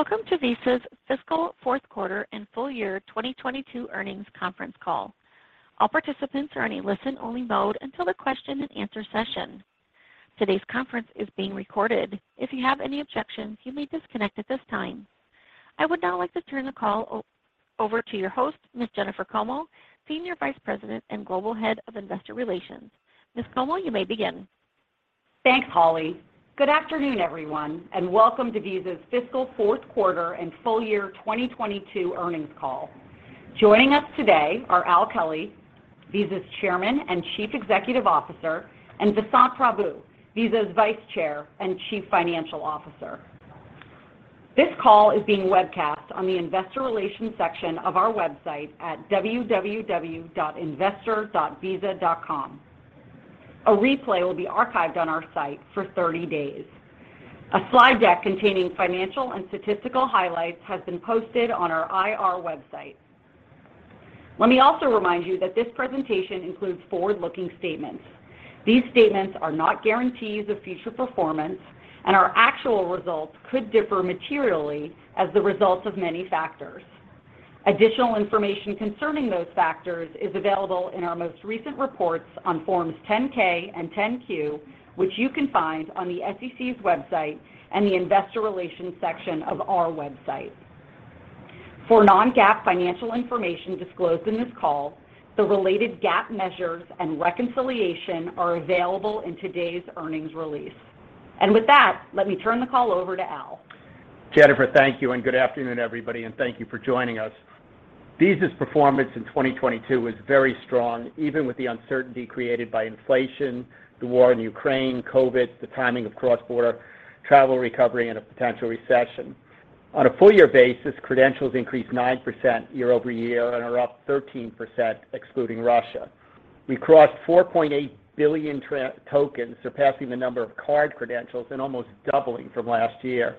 Welcome to Visa's Fiscal Fourth Quarter and Full Year 2022 Earnings Conference Call. All participants are in a listen-only mode until the question and answer session. Today's conference is being recorded. If you have any objections, you may disconnect at this time. I would now like to turn the call over to your host, Ms. Jennifer Como, Senior Vice President and Global Head of Investor Relations. Ms. Como, you may begin. Thanks, Holly. Good afternoon, everyone and welcome to Visa's Fiscal Fourth Quarter and Full Year 2022 earnings call. Joining us today are Alfred F. Kelly, Jr., Visa's Chairman and Chief Executive Officer and Vasant Prabhu, Visa's Vice Chair and Chief Financial Officer. This call is being webcast on the investor relations section of our website at www.investor.visa.com. A replay will be archived on our site for 30 days. A slide deck containing financial and statistical highlights has been posted on our IR website. Let me also remind you that this presentation includes forward-looking statements. These statements are not guarantees of future performance and our actual results could differ materially as the result of many factors. Additional information concerning those factors is available in our most recent reports on forms 10-K and 10-Q, which you can find on the SEC's website and the investor relations section of our website. For non-GAAP financial information disclosed in this call, the related GAAP measures and reconciliation are available in today's earnings release. With that, let me turn the call over to Al. Jennifer, thank you and good afternoon, everybody and thank you for joining us. Visa's performance in 2022 was very strong, even with the uncertainty created by inflation, the war in Ukraine, COVID, the timing of cross-border travel recovery and a potential recession. On a full year basis, credentials increased 9% year-over-year and are up 13% excluding Russia. We crossed 4.8 billion tokens, surpassing the number of card credentials and almost doubling from last year.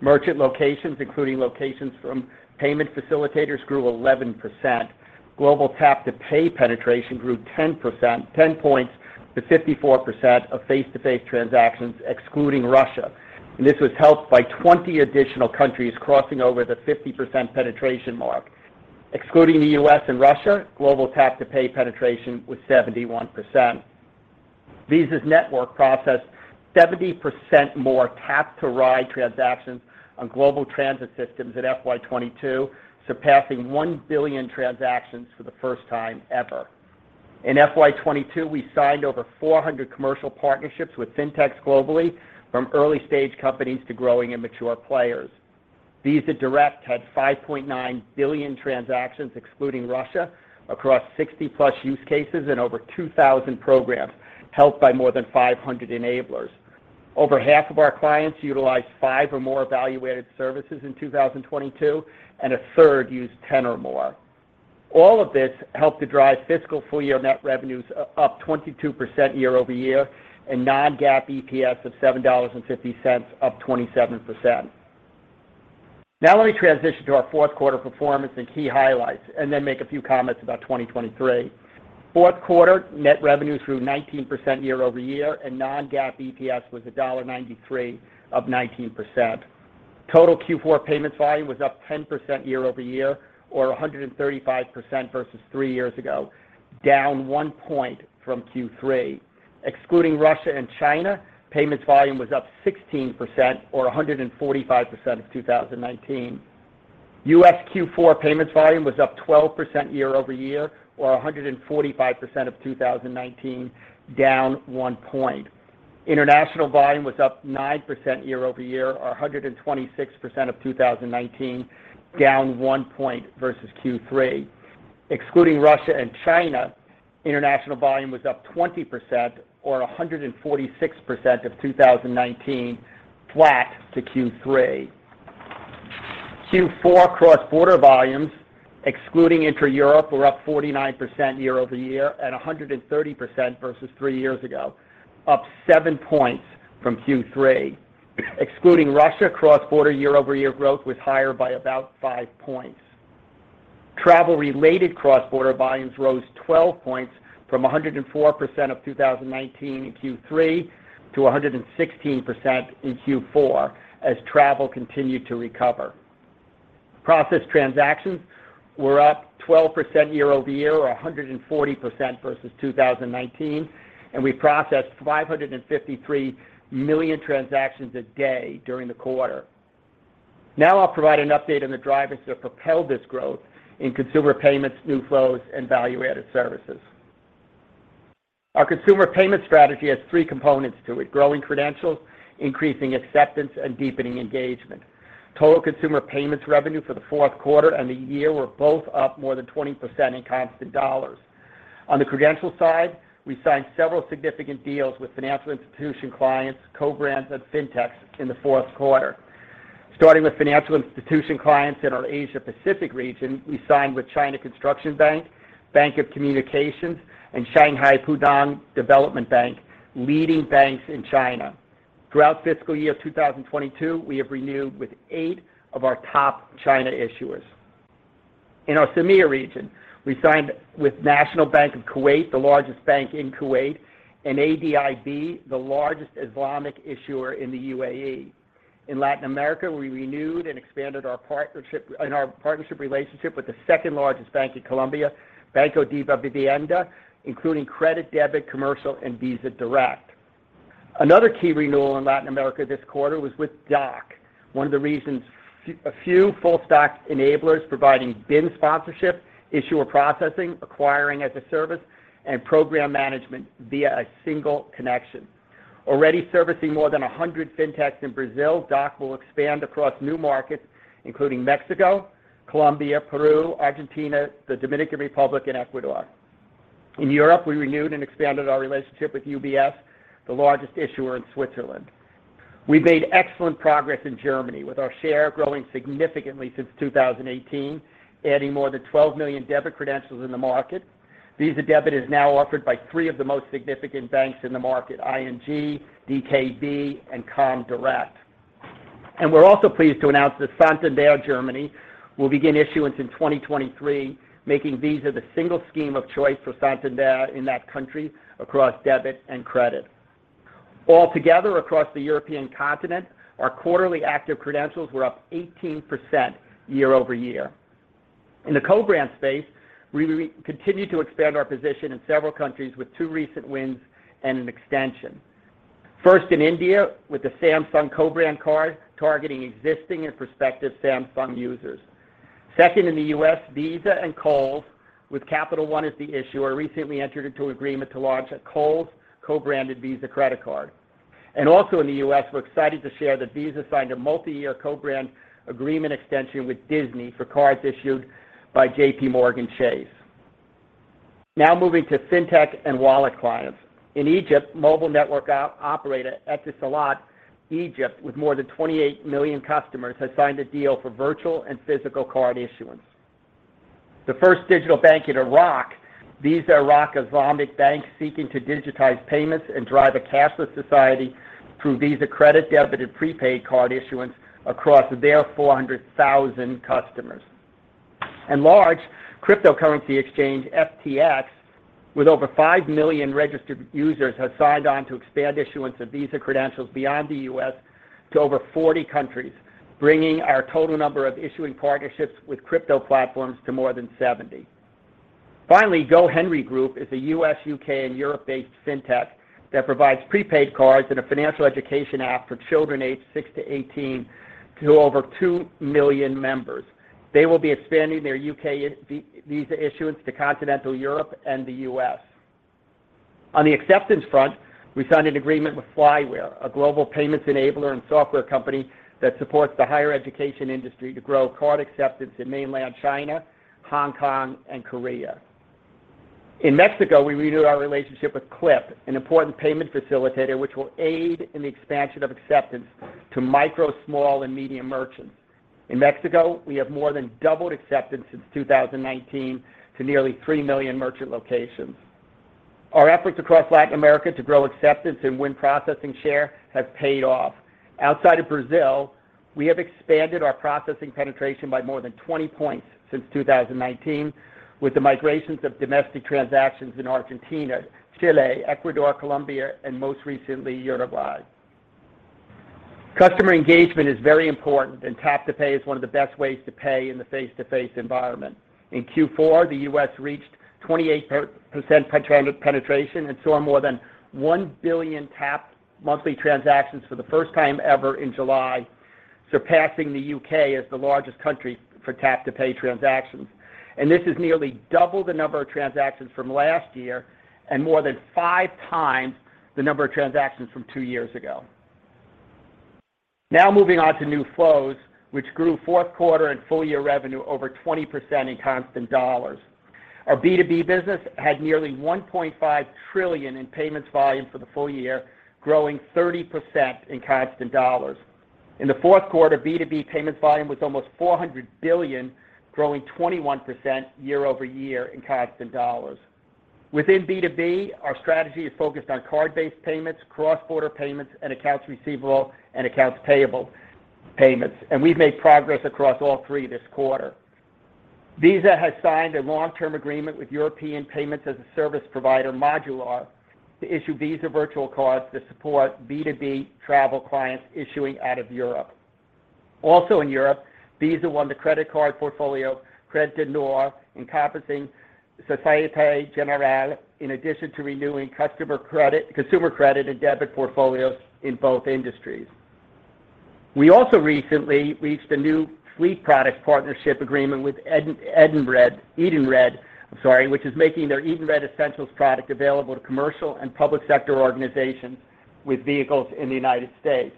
Merchant locations, including locations from payment facilitators, grew 11%. Global tap-to-pay penetration grew 10%, 10 points to 54% of face-to-face transactions excluding Russia and this was helped by 20 additional countries crossing over the 50% penetration mark. Excluding the U.S. and Russia, global tap-to-pay penetration was 71%. Visa's network processed 70% more tap-to-ride transactions on global transit systems at FY 2022, surpassing 1 billion transactions for the first time ever. In FY 2022, we signed over 400 commercial partnerships with Fintechs globally from early-stage companies to growing and mature players. Visa Direct had 5.9 billion transactions excluding Russia across 60+ use cases and over 2,000 programs helped by more than 500 enablers. Over half of our clients utilized 5 or more value-added services in 2022 and a third used 10 or more. All of this helped to drive fiscal full-year net revenues up 22% year-over-year and non-GAAP EPS of $7.50 up 27%. Now let me transition to our fourth quarter performance and key highlights and then make a few comments about 2023. Fourth quarter net revenue grew 19% year-over-year and non-GAAP EPS was $1.93 up 19%. Total Q4 payments volume was up 10% year-over-year or 135% versus three years ago, down 1 point from Q3. Excluding Russia and China, payments volume was up 16% or 145% of 2019. U.S. Q4 payments volume was up 12% year-over-year or 145% of 2019, down 1 point. International volume was up 9% year-over-year or 126% of 2019, down 1 point versus Q3. Excluding Russia and China, international volume was up 20% or 146% of 2019, flat to Q3. Q4 cross-border volumes, excluding intra-Europe, were up 49% year-over-year at 130% versus three years ago, up 7 points from Q3. Excluding Russia, cross-border year-over-year growth was higher by about 5 points. Travel-related cross-border volumes rose 12 points from 104% of 2019 in Q3 to 116% in Q4 as travel continued to recover. Processed transactions were up 12% year-over-year or 140% versus 2019 and we processed 553 million transactions a day during the quarter. Now I'll provide an update on the drivers that propelled this growth in consumer payments, new flows and value-added services. Our consumer payment strategy has three components to it, growing credentials, increasing acceptance and deepening engagement. Total consumer payments revenue for the fourth quarter and the year were both up more than 20% in constant dollars. On the credential side, we signed several significant deals with financial institution clients, co-brands and fintechs in the fourth quarter. Starting with financial institution clients in our Asia Pacific region, we signed with China Construction Bank, Bank of Communications and Shanghai Pudong Development Bank, leading banks in China. Throughout fiscal year 2022, we have renewed with eight of our top China issuers. In our CEMEA region, we signed with National Bank of Kuwait, the largest bank in Kuwait and ADIB, the largest Islamic issuer in the UAE. In Latin America, we renewed and expanded our partnership relationship with the second largest bank in Colombia, Banco Davivienda, including credit, debit, commercial and Visa Direct. Another key renewal in Latin America this quarter was with Dock, one of the region's few full-stack enablers providing BIN sponsorship, issuer processing, acquiring as a service and program management via a single connection. Already servicing more than 100 fintechs in Brazil, Dock will expand across new markets, including Mexico, Colombia, Peru, Argentina, the Dominican Republic and Ecuador. In Europe, we renewed and expanded our relationship with UBS, the largest issuer in Switzerland. We've made excellent progress in Germany, with our share growing significantly since 2018, adding more than 12 million debit credentials in the market. Visa debit is now offered by three of the most significant banks in the market, ING, DKB and comdirect. We're also pleased to announce that Santander Germany will begin issuance in 2023, making Visa the single scheme of choice for Santander in that country across debit and credit. All together across the European continent, our quarterly active credentials were up 18% year-over-year. In the co-brand space, we continue to expand our position in several countries with two recent wins and an extension. First, in India, with the Samsung co-brand card targeting existing and prospective Samsung users. Second, in the U.S., Visa and Kohl's, with Capital One as the issuer, recently entered into an agreement to launch a Kohl's co-branded Visa credit card. In the U.S., we're excited to share that Visa signed a multi-year co-brand agreement extension with Disney for cards issued by JPMorgan Chase. Now moving to fintech and wallet clients. In Egypt, mobile network operator Etisalat Egypt, with more than 28 million customers, has signed a deal for virtual and physical card issuance. The first digital bank in Iraq, Zain Iraq Islamic Bank, seeking to digitize payments and drive a cashless society through Visa credit, debit and prepaid card issuance across their 400,000 customers. Large cryptocurrency exchange FTX, with over 5 million registered users, has signed on to expand issuance of Visa credentials beyond the U.S. to over 40 countries, bringing our total number of issuing partnerships with crypto platforms to more than 70. Finally, GoHenry is a U.S., U.K. and Europe-based fintech that provides prepaid cards and a financial education app for children aged 6 to 18 to over 2 million members. They will be expanding their U.K. Visa issuance to continental Europe and the U.S. On the acceptance front, we signed an agreement with Flywire, a global payments enabler and software company that supports the higher education industry to grow card acceptance in mainland China, Hong Kong and Korea. In Mexico, we renewed our relationship with Clip, an important payment facilitator, which will aid in the expansion of acceptance to micro, small and medium merchants. In Mexico, we have more than doubled acceptance since 2019 to nearly 3 million merchant locations. Our efforts across Latin America to grow acceptance and win processing share have paid off. Outside of Brazil, we have expanded our processing penetration by more than 20 points since 2019 with the migrations of domestic transactions in Argentina, Chile, Ecuador, Colombia and most recently Uruguay. Customer engagement is very important and tap-to-pay is one of the best ways to pay in the face-to-face environment. In Q4, the U.S. reached 28% penetration and saw more than 1 billion tapped monthly transactions for the first time ever in July, surpassing the U.K. as the largest country for tap-to-pay transactions. This is nearly double the number of transactions from last year and more than 5 times the number of transactions from two years ago. Now moving on to new flows, which grew fourth quarter and full-year revenue over 20% in constant dollars. Our B2B business had nearly $1.5 trillion in payments volume for the full year, growing 30% in constant dollars. In the fourth quarter, B2B payments volume was almost $400 billion, growing 21% year-over-year in constant dollars. Within B2B, our strategy is focused on card-based payments, cross-border payments and accounts receivable and accounts payable payments. We've made progress across all three this quarter. Visa has signed a long-term agreement with European payments as a service provider, Modulr, to issue Visa virtual cards to support B2B travel clients issuing out of Europe. Also in Europe, Visa won the credit card portfolio Crédit du Nord, encompassing Société Générale, in addition to renewing consumer credit and debit portfolios in both industries. We also recently reached a new fleet product partnership agreement with Edenred, which is making their Edenred Essentials product available to commercial and public sector organizations with vehicles in the United States.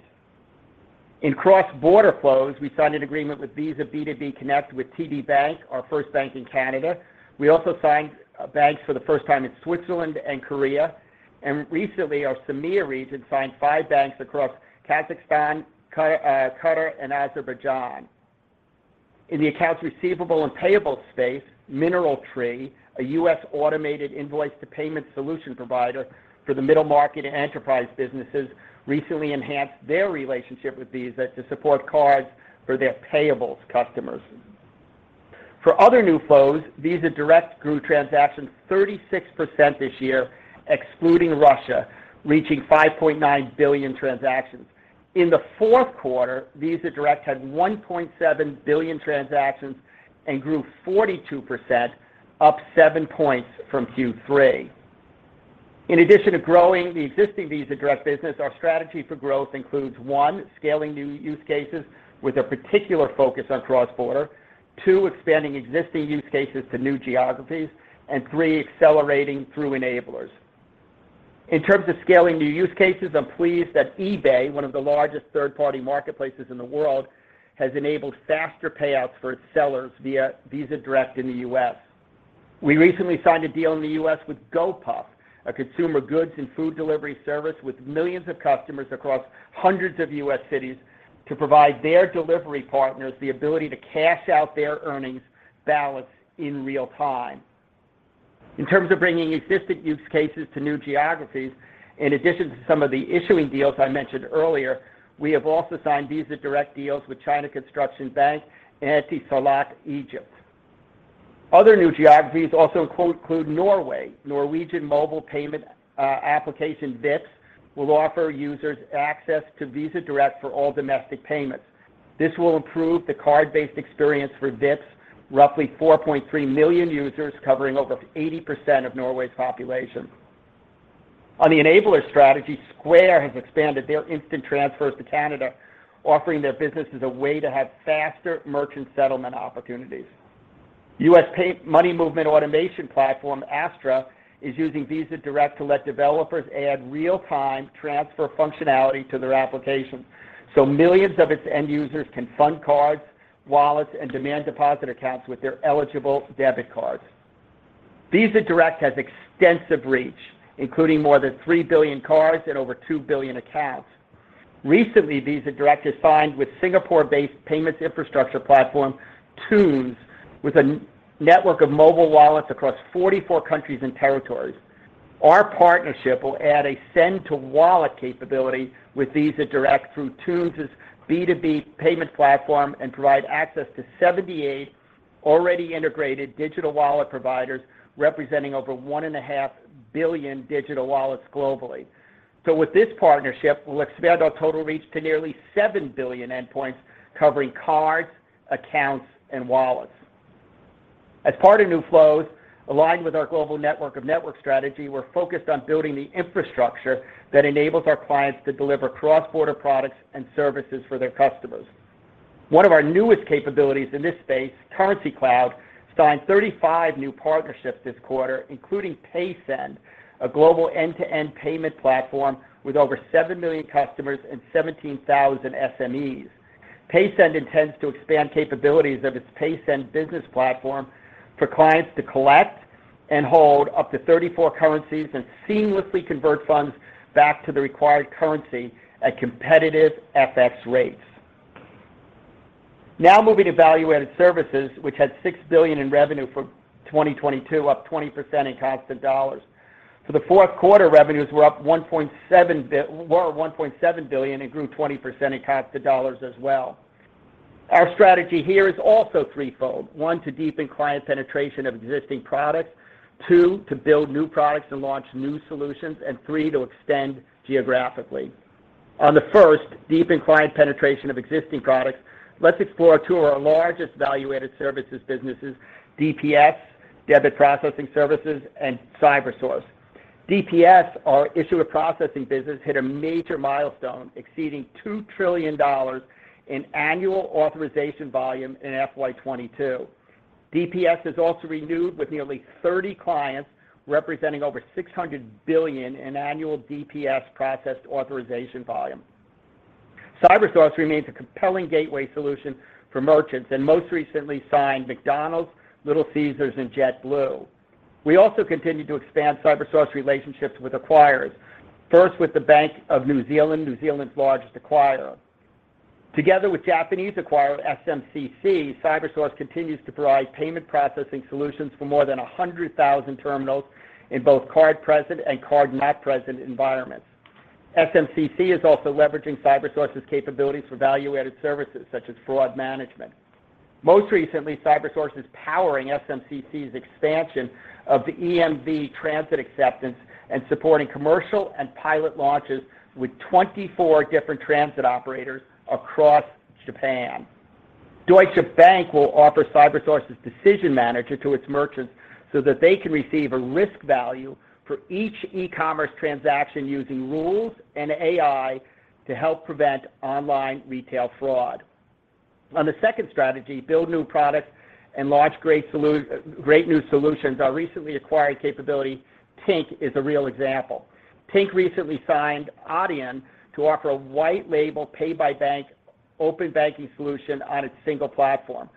In cross-border flows, we signed an agreement with Visa B2B Connect with TD Bank, our first bank in Canada. We also signed banks for the first time in Switzerland and Korea. Recently, our CEMEA region signed five banks across Kazakhstan, Qatar and Azerbaijan. In the accounts receivable and payable space, MineralTree, a U.S. Automated invoice-to-payment solution provider for the middle market and enterprise businesses recently enhanced their relationship with Visa to support cards for their payables customers. For other new flows, Visa Direct grew transactions 36% this year, excluding Russia, reaching 5.9 billion transactions. In the fourth quarter, Visa Direct had 1.7 billion transactions and grew 42%, up 7 points from Q3. In addition to growing the existing Visa Direct business, our strategy for growth includes, one, scaling new use cases with a particular focus on cross-border. Two, expanding existing use cases to new geographies. Three, accelerating through enablers. In terms of scaling new use cases, I'm pleased that eBay, one of the largest third-party marketplaces in the world, has enabled faster payouts for its sellers via Visa Direct in the U.S. We recently signed a deal in the U.S. with Gopuff, a consumer goods and food delivery service with millions of customers across hundreds of U.S. cities to provide their delivery partners the ability to cash out their earnings balance in real time. In terms of bringing existing use cases to new geographies, in addition to some of the issuing deals I mentioned earlier, we have also signed Visa Direct deals with China Construction Bank and Etisalat Egypt. Other new geographies also include Norway. Norwegian mobile payment application Vipps will offer users access to Visa Direct for all domestic payments. This will improve the card-based experience for Vipps' roughly 4.3 million users covering over 80% of Norway's population. On the enabler strategy, Square has expanded their instant transfers to Canada, offering their businesses a way to have faster merchant settlement opportunities. U.S. based money movement automation platform Astra is using Visa Direct to let developers add real-time transfer functionality to their application, so millions of its end users can fund cards, wallets and demand deposit accounts with their eligible debit cards. Visa Direct has extensive reach, including more than 3 billion cards and over 2 billion accounts. Recently, Visa Direct has signed with Singapore-based payments infrastructure platform Thunes, with a network of mobile wallets across 44 countries and territories. Our partnership will add a send to wallet capability with Visa Direct through Thunes's B2B payment platform and provide access to 78 already integrated digital wallet providers, representing over 1.5 billion digital wallets globally. With this partnership, we'll expand our total reach to nearly 7 billion endpoints covering cards, accounts and wallets. As part of new flows, aligned with our global network of network strategy, we're focused on building the infrastructure that enables our clients to deliver cross-border products and services for their customers. One of our newest capabilities in this space, Currencycloud, signed 35 new partnerships this quarter, including Paysend, a global end-to-end payment platform with over 7 million customers and 17,000 SMEs. Paysend intends to expand capabilities of its Paysend business platform for clients to collect and hold up to 34 currencies and seamlessly convert funds back to the required currency at competitive FX rates. Now moving to value-added services, which had $6 billion in revenue for 2022, up 20% in constant dollars. For the fourth quarter, revenues were $1.7 billion and grew 20% in constant dollars as well. Our strategy here is also threefold. One, to deepen client penetration of existing products. Two, to build new products and launch new solutions. And three, to extend geographically. On the first, deepen client penetration of existing products, let's explore two of our largest value-added services businesses, DPS, Debit Processing Services and Cybersource. DPS, our issuer processing business, hit a major milestone, exceeding $2 trillion in annual authorization volume in FY 2022. DPS has also renewed with nearly 30 clients, representing over $600 billion in annual DPS processed authorization volume. Cybersource remains a compelling gateway solution for merchants and most recently signed McDonald's, Little Caesars and JetBlue. We also continue to expand Cybersource relationships with acquirers. First, with the Bank of New Zealand, New Zealand's largest acquirer. Together with Japanese acquirer SMCC, Cybersource continues to provide payment processing solutions for more than 100,000 terminals in both card present and card not present environments. SMCC is also leveraging Cybersource's capabilities for value-added services such as fraud management. Most recently, Cybersource is powering SMCC's expansion of the EMV transit acceptance and supporting commercial and pilot launches with 24 different transit operators across Japan. Deutsche Bank will offer Cybersource's Decision Manager to its merchants so that they can receive a risk value for each e-commerce transaction using rules and AI to help prevent online retail fraud. On the second strategy, build new products and launch great new solutions, our recently acquired capability, Tink, is a real example. Tink recently signed Adyen to offer a white label pay by bank open banking solution on its single platform.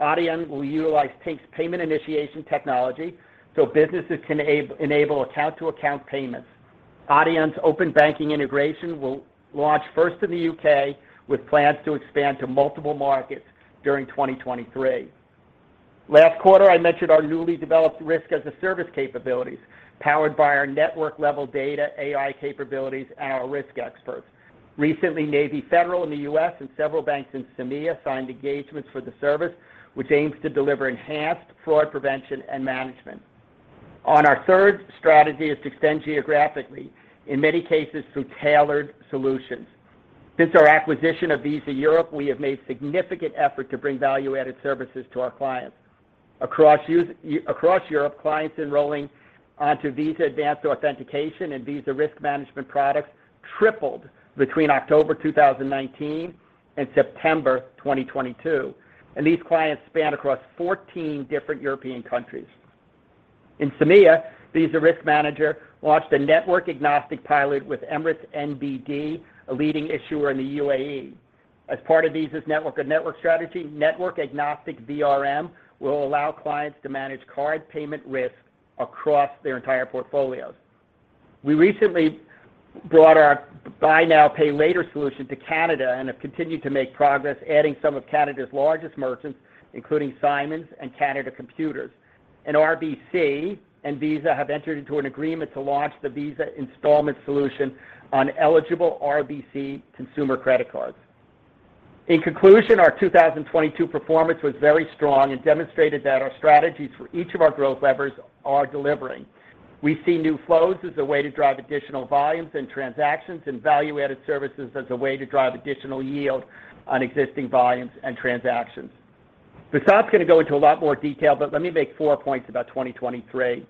Adyen will utilize Tink's payment initiation technology, so businesses can enable account to account payments. Adyen's open banking integration will launch first in the U.K. with plans to expand to multiple markets during 2023. Last quarter, I mentioned our newly developed risk as a service capabilities powered by our network level data AI capabilities and our risk experts. Recently, Navy Federal in the U.S. and several banks in CEMEA signed engagements for the service, which aims to deliver enhanced fraud prevention and management. Our third strategy is to extend geographically, in many cases through tailored solutions. Since our acquisition of Visa Europe, we have made significant effort to bring value-added services to our clients. Across Europe, clients enrolling onto Visa Advanced Authorization and Visa Risk Manager products tripled between October 2019 and September 2022. These clients span across 14 different European countries. In CEMEA, Visa Risk Manager launched a network-agnostic pilot with Emirates NBD, a leading issuer in the UAE. As part of Visa's network of network strategy, network-agnostic VRM will allow clients to manage card payment risk across their entire portfolios. We recently brought our buy now, pay later solution to Canada and have continued to make progress adding some of Canada's largest merchants, including Simons and Canada Computers. RBC and Visa have entered into an agreement to launch the Visa Installments solution on eligible RBC consumer credit cards. In conclusion, our 2022 performance was very strong and demonstrated that our strategies for each of our growth levers are delivering. We see new flows as a way to drive additional volumes and transactions and value-added services as a way to drive additional yield on existing volumes and transactions. Vasant's gonna go into a lot more detail but let me make four points about 2023.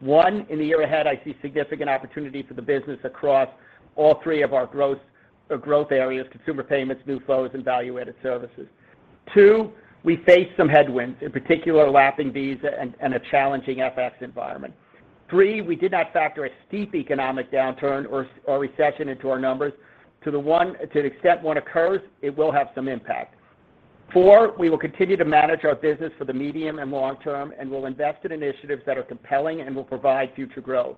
One, in the year ahead, I see significant opportunity for the business across all three of our growth areas, consumer payments, new flows and value-added services. Two, we face some headwinds, in particular lapping Russia and a challenging FX environment. Three, we did not factor a steep economic downturn or recession into our numbers to the extent one occurs, it will have some impact. Four, we will continue to manage our business for the medium and long term and we'll invest in initiatives that are compelling and will provide future growth.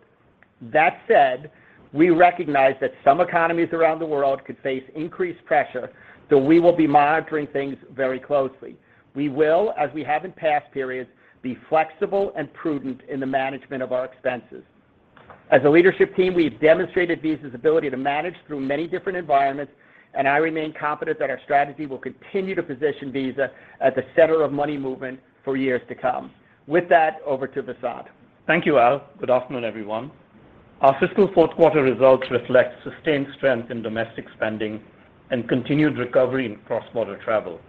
That said, we recognize that some economies around the world could face increased pressure, so we will be monitoring things very closely. We will, as we have in past periods, be flexible and prudent in the management of our expenses. As a leadership team, we've demonstrated Visa's ability to manage through many different environments and I remain confident that our strategy will continue to position Visa at the center of money movement for years to come. With that, over to Vasant. Thank you, Al. Good afternoon, everyone. Our fiscal fourth quarter results reflect sustained strength in domestic spending and continued recovery in cross-border travel.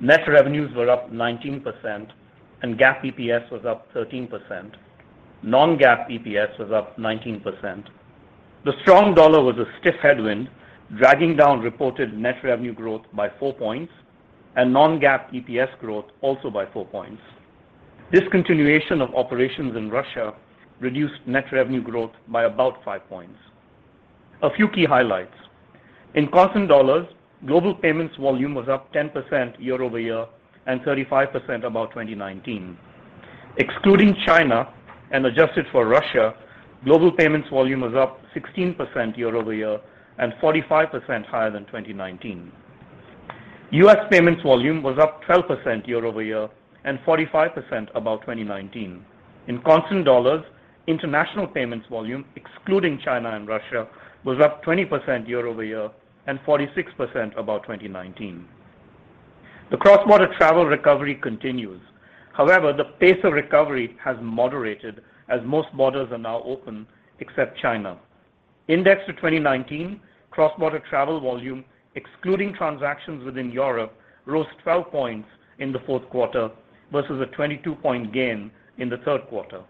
Net revenues were up 19% and GAAP EPS was up 13%. Non-GAAP EPS was up 19%. The strong dollar was a stiff headwind, dragging down reported net revenue growth by 4 points and non-GAAP EPS growth also by 4 points. Discontinuation of operations in Russia reduced net revenue growth by about 5 points. A few key highlights. In constant dollars, global payments volume was up 10% year-over-year and 35% above 2019. Excluding China and adjusted for Russia, global payments volume was up 16% year-over-year and 45% higher than 2019. U.S. payments volume was up 12% year-over-year and 45% above 2019. In constant dollars, international payments volume, excluding China and Russia, was up 20% year-over-year and 46% above 2019. The cross-border travel recovery continues. However, the pace of recovery has moderated as most borders are now open, except China. Indexed to 2019, cross-border travel volume, excluding transactions within Europe, rose 12 points in the fourth quarter versus a 22-point gain in the third quarter.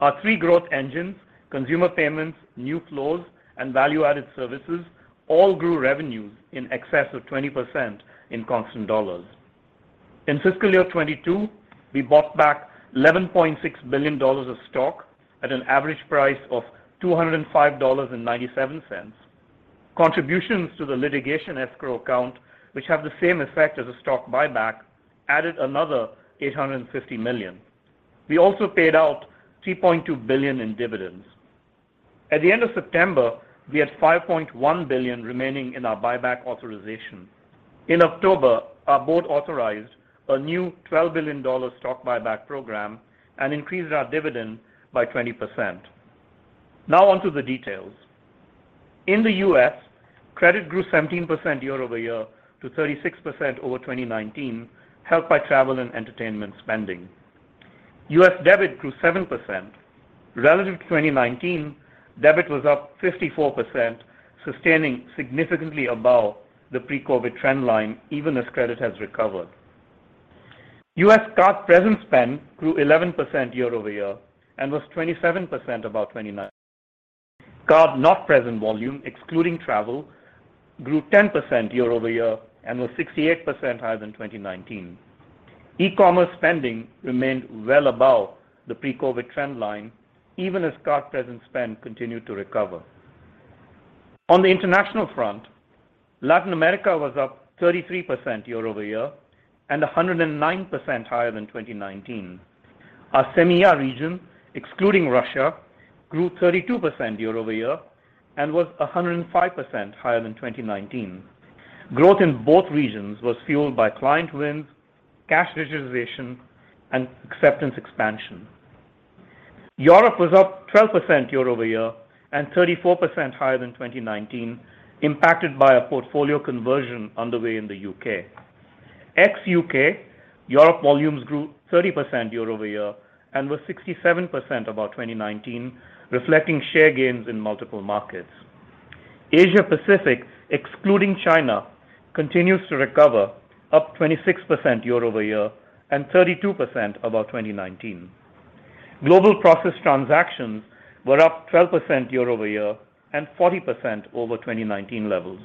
Our three growth engines, consumer payments, new flows and value-added services, all grew revenues in excess of 20% in constant dollars. In fiscal year 2022, we bought back $11.6 billion of stock at an average price of $205.97. Contributions to the litigation escrow account, which have the same effect as a stock buyback, added another $850 million. We also paid out $3.2 billion in dividends. At the end of September, we had $5.1 billion remaining in our buyback authorization. In October, our board authorized a new $12 billion stock buyback program and increased our dividend by 20%. Now onto the details. In the U.S., credit grew 17% year-over-year to 36% over 2019, helped by travel and entertainment spending. U.S. debit grew 7%. Relative to 2019, debit was up 54%, sustaining significantly above the pre-COVID trend line, even as credit has recovered. U.S. card-present spend grew 11% year-over-year and was 27% above 2019. Card-not-present volume, excluding travel, grew 10% year-over-year and was 68% higher than 2019. E-commerce spending remained well above the pre-COVID trend line, even as card-present spend continued to recover. On the international front, Latin America was up 33% year over year and 109% higher than 2019. Our CEMEA region, excluding Russia, grew 32% year over year and was 105% higher than 2019. Growth in both regions was fueled by client wins, cash digitization and acceptance expansion. Europe was up 12% year over year and 34% higher than 2019, impacted by a portfolio conversion underway in the U.K. Ex-U.K., Europe volumes grew 30% year-over-year and were 67% above 2019, reflecting share gains in multiple markets. Asia Pacific, excluding China, continues to recover up 26% year-over-year and 32% above 2019. Global processed transactions were up 12% year-over-year and 40% over 2019 levels.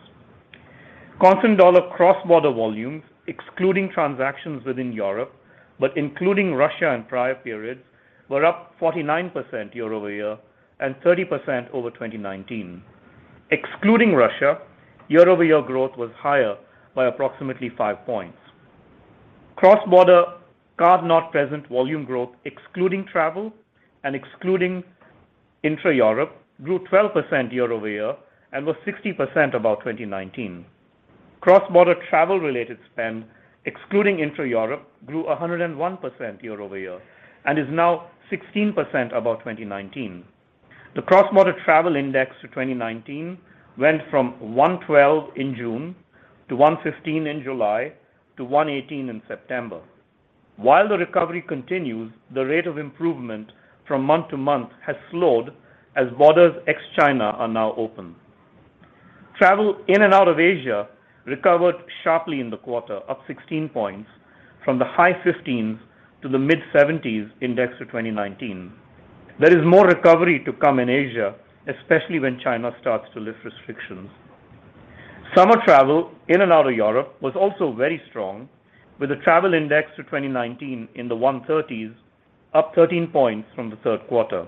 Constant dollar cross-border volumes, excluding transactions within Europe but including Russia and prior periods, were up 49% year-over-year and 30% over 2019. Excluding Russia, year-over-year growth was higher by approximately 5 points. Cross-border card-not-present volume growth, excluding travel and excluding intra-Europe, grew 12% year-over-year and was 60% above 2019. Cross-border travel-related spend, excluding intra-Europe, grew 101% year-over-year and is now 16% above 2019. The cross-border travel index to 2019 went from 112 in June to 115 in July to 118 in September. While the recovery continues, the rate of improvement from month to month has slowed as borders ex-China are now open. Travel in and out of Asia recovered sharply in the quarter, up 16 points from the high 50s to the mid-70s index to 2019. There is more recovery to come in Asia, especially when China starts to lift restrictions. Summer travel in and out of Europe was also very strong, with a travel index to 2019 in the 130s, up 13 points from the third quarter.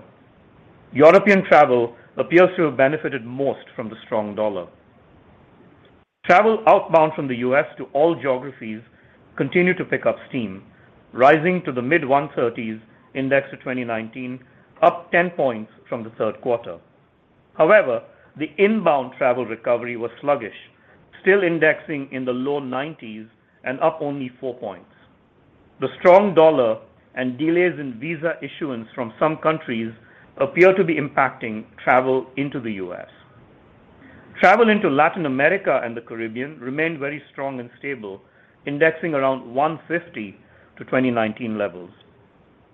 European travel appears to have benefited most from the strong dollar. Travel outbound from the U.S. to all geographies continued to pick up steam, rising to the mid-130s index to 2019, up 10 points from the third quarter. However, the inbound travel recovery was sluggish, still indexing in the low 90s and up only 4 points. The strong dollar and delays in visa issuance from some countries appear to be impacting travel into the US. Travel into Latin America and the Caribbean remained very strong and stable, indexing around 150 to 2019 levels.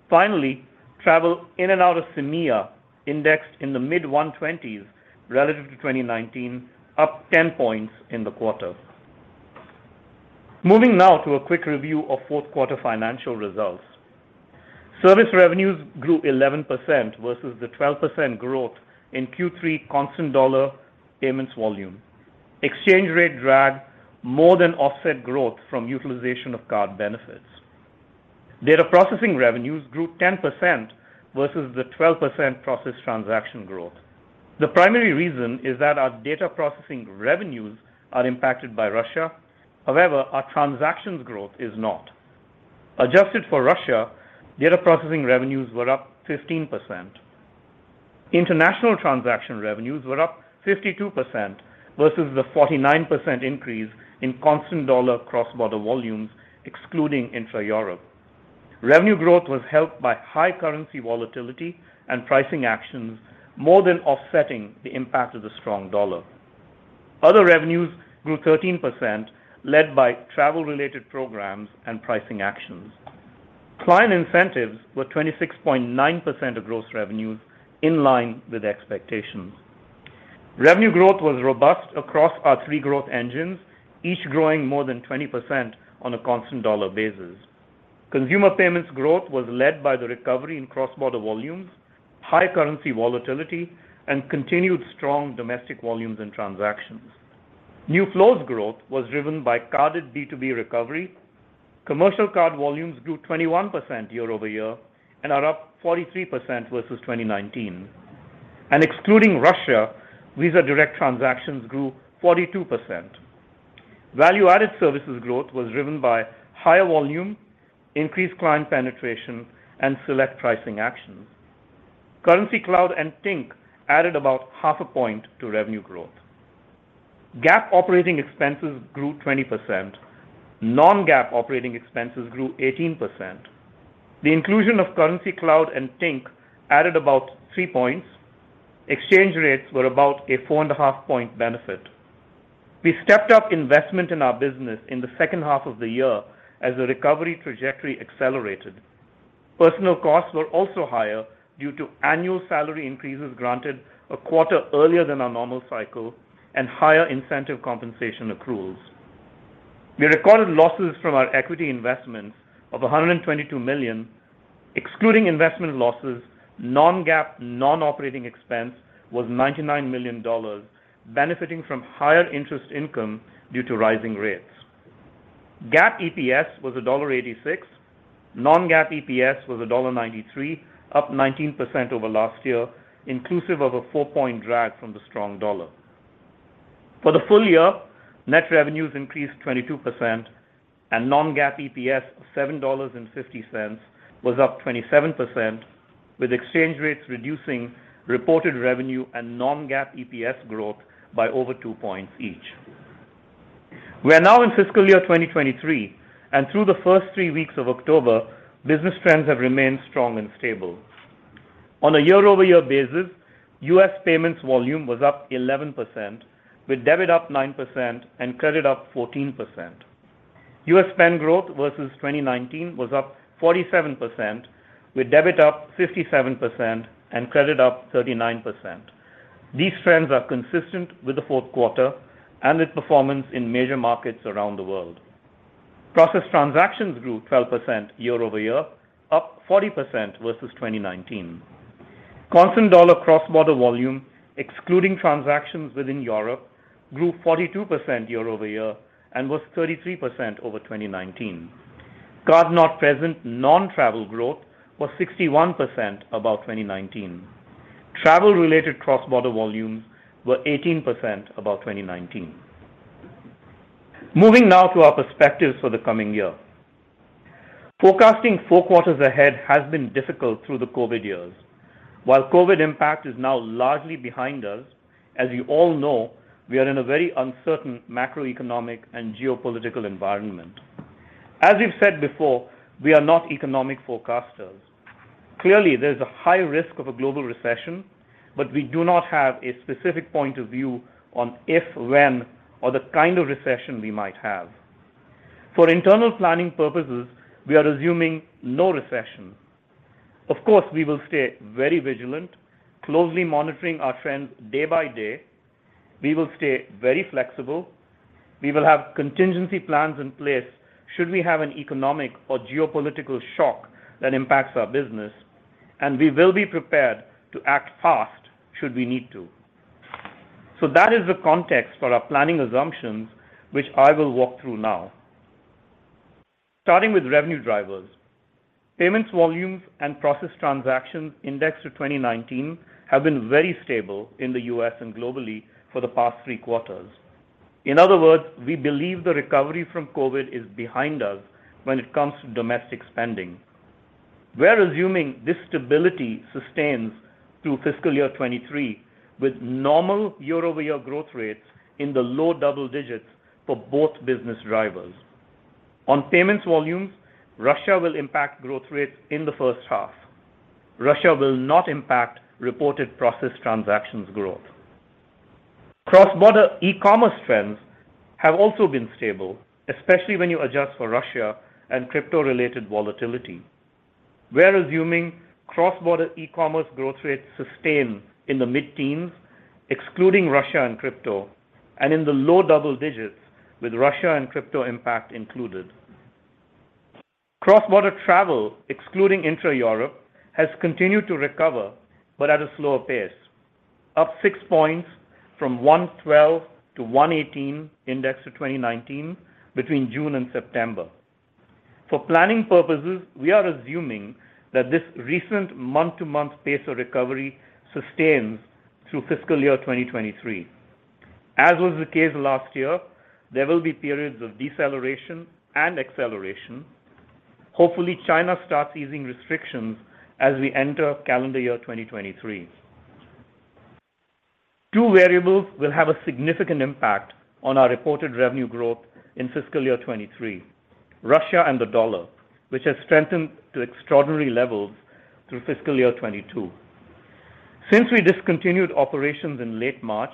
Finally, travel in and out of CEMEA indexed in the mid-120s relative to 2019, up 10 points in the quarter. Moving now to a quick review of fourth quarter financial results. Service revenues grew 11% versus the 12% growth in Q3 constant dollar payments volume. Exchange rate drag more than offset growth from utilization of card benefits. Data processing revenues grew 10% versus the 12% processed transaction growth. The primary reason is that our data processing revenues are impacted by Russia. However, our transaction growth is not. Adjusted for Russia, data processing revenues were up 15%. International transaction revenues were up 52% versus the 49% increase in constant dollar cross-border volumes excluding intra-Europe. Revenue growth was helped by high currency volatility and pricing actions more than offsetting the impact of the strong dollar. Other revenues grew 13%, led by travel-related programs and pricing actions. Client incentives were 26.9% of gross revenues in line with expectations. Revenue growth was robust across our three growth engines, each growing more than 20% on a constant dollar basis. Consumer payments growth was led by the recovery in cross-border volumes, high currency volatility and continued strong domestic volumes and transactions. New flows growth was driven by carded B2B recovery. Commercial card volumes grew 21% year-over-year and are up 43% versus 2019. Excluding Russia, Visa Direct transactions grew 42%. Value-added services growth was driven by higher volume, increased client penetration and select pricing actions. Currencycloud and Tink added about half a point to revenue growth. GAAP operating expenses grew 20%. Non-GAAP operating expenses grew 18%. The inclusion of Currencycloud and Tink added about three points. Exchange rates were about a 4.5-point benefit. We stepped up investment in our business in the second half of the year as the recovery trajectory accelerated. Personnel costs were also higher due to annual salary increases granted a quarter earlier than our normal cycle and higher incentive compensation accruals. We recorded losses from our equity investments of $122 million. Excluding investment losses, non-GAAP non-operating expense was $99 million, benefiting from higher interest income due to rising rates. GAAP EPS was $1.86. Non-GAAP EPS was $1.93, up 19% over last year, inclusive of a 4-point drag from the strong dollar. For the full year, net revenues increased 22% and non-GAAP EPS of $7.50 was up 27%, with exchange rates reducing reported revenue and non-GAAP EPS growth by over 2 points each. We are now in fiscal year 2023 and through the first three weeks of October, business trends have remained strong and stable. On a year-over-year basis, U.S. payments volume was up 11%, with debit up 9% and credit up 14%. U.S. spend growth versus 2019 was up 47%, with debit up 57% and credit up 39%. These trends are consistent with the fourth quarter and its performance in major markets around the world. Processed transactions grew 12% year-over-year, up 40% versus 2019. Constant dollar cross-border volume, excluding transactions within Europe, grew 42% year-over-year and was 33% over 2019. Card-not-present non-travel growth was 61% above 2019. Travel-related cross-border volumes were 18% above 2019. Moving now to our perspectives for the coming year. Forecasting 4 quarters ahead has been difficult through the COVID years. While COVID impact is now largely behind us, as you all know, we are in a very uncertain macroeconomic and geopolitical environment. As we've said before, we are not economic forecasters. Clearly, there's a high risk of a global recession but we do not have a specific point of view on if, when or the kind of recession we might have. For internal planning purposes, we are assuming no recession. Of course, we will stay very vigilant, closely monitoring our trends day by day. We will stay very flexible. We will have contingency plans in place should we have an economic or geopolitical shock that impacts our business and we will be prepared to act fast should we need to. That is the context for our planning assumptions, which I will walk through now. Starting with revenue drivers. Payments volumes and processed transactions indexed to 2019 have been very stable in the U.S. and globally for the past three quarters. In other words, we believe the recovery from COVID is behind us when it comes to domestic spending. We're assuming this stability sustains through fiscal year 2023, with normal year-over-year growth rates in the low double digits for both business drivers. On payments volumes, Russia will impact growth rates in the first half. Russia will not impact reported processed transactions growth. Cross-border e-commerce trends have also been stable, especially when you adjust for Russia and crypto-related volatility. We're assuming cross-border e-commerce growth rates sustain in the mid-teens, excluding Russia and crypto and in the low double digits with Russia and crypto impact included. Cross-border travel, excluding intra-Europe, has continued to recover but at a slower pace, up 6 points from 112 to 118 index to 2019 between June and September. For planning purposes, we are assuming that this recent month-to-month pace of recovery sustains through fiscal year 2023. As was the case last year, there will be periods of deceleration and acceleration. Hopefully, China starts easing restrictions as we enter calendar year 2023. Two variables will have a significant impact on our reported revenue growth in fiscal year 2023. Russia and the dollar, which has strengthened to extraordinary levels through fiscal year 2022. Since we discontinued operations in late March,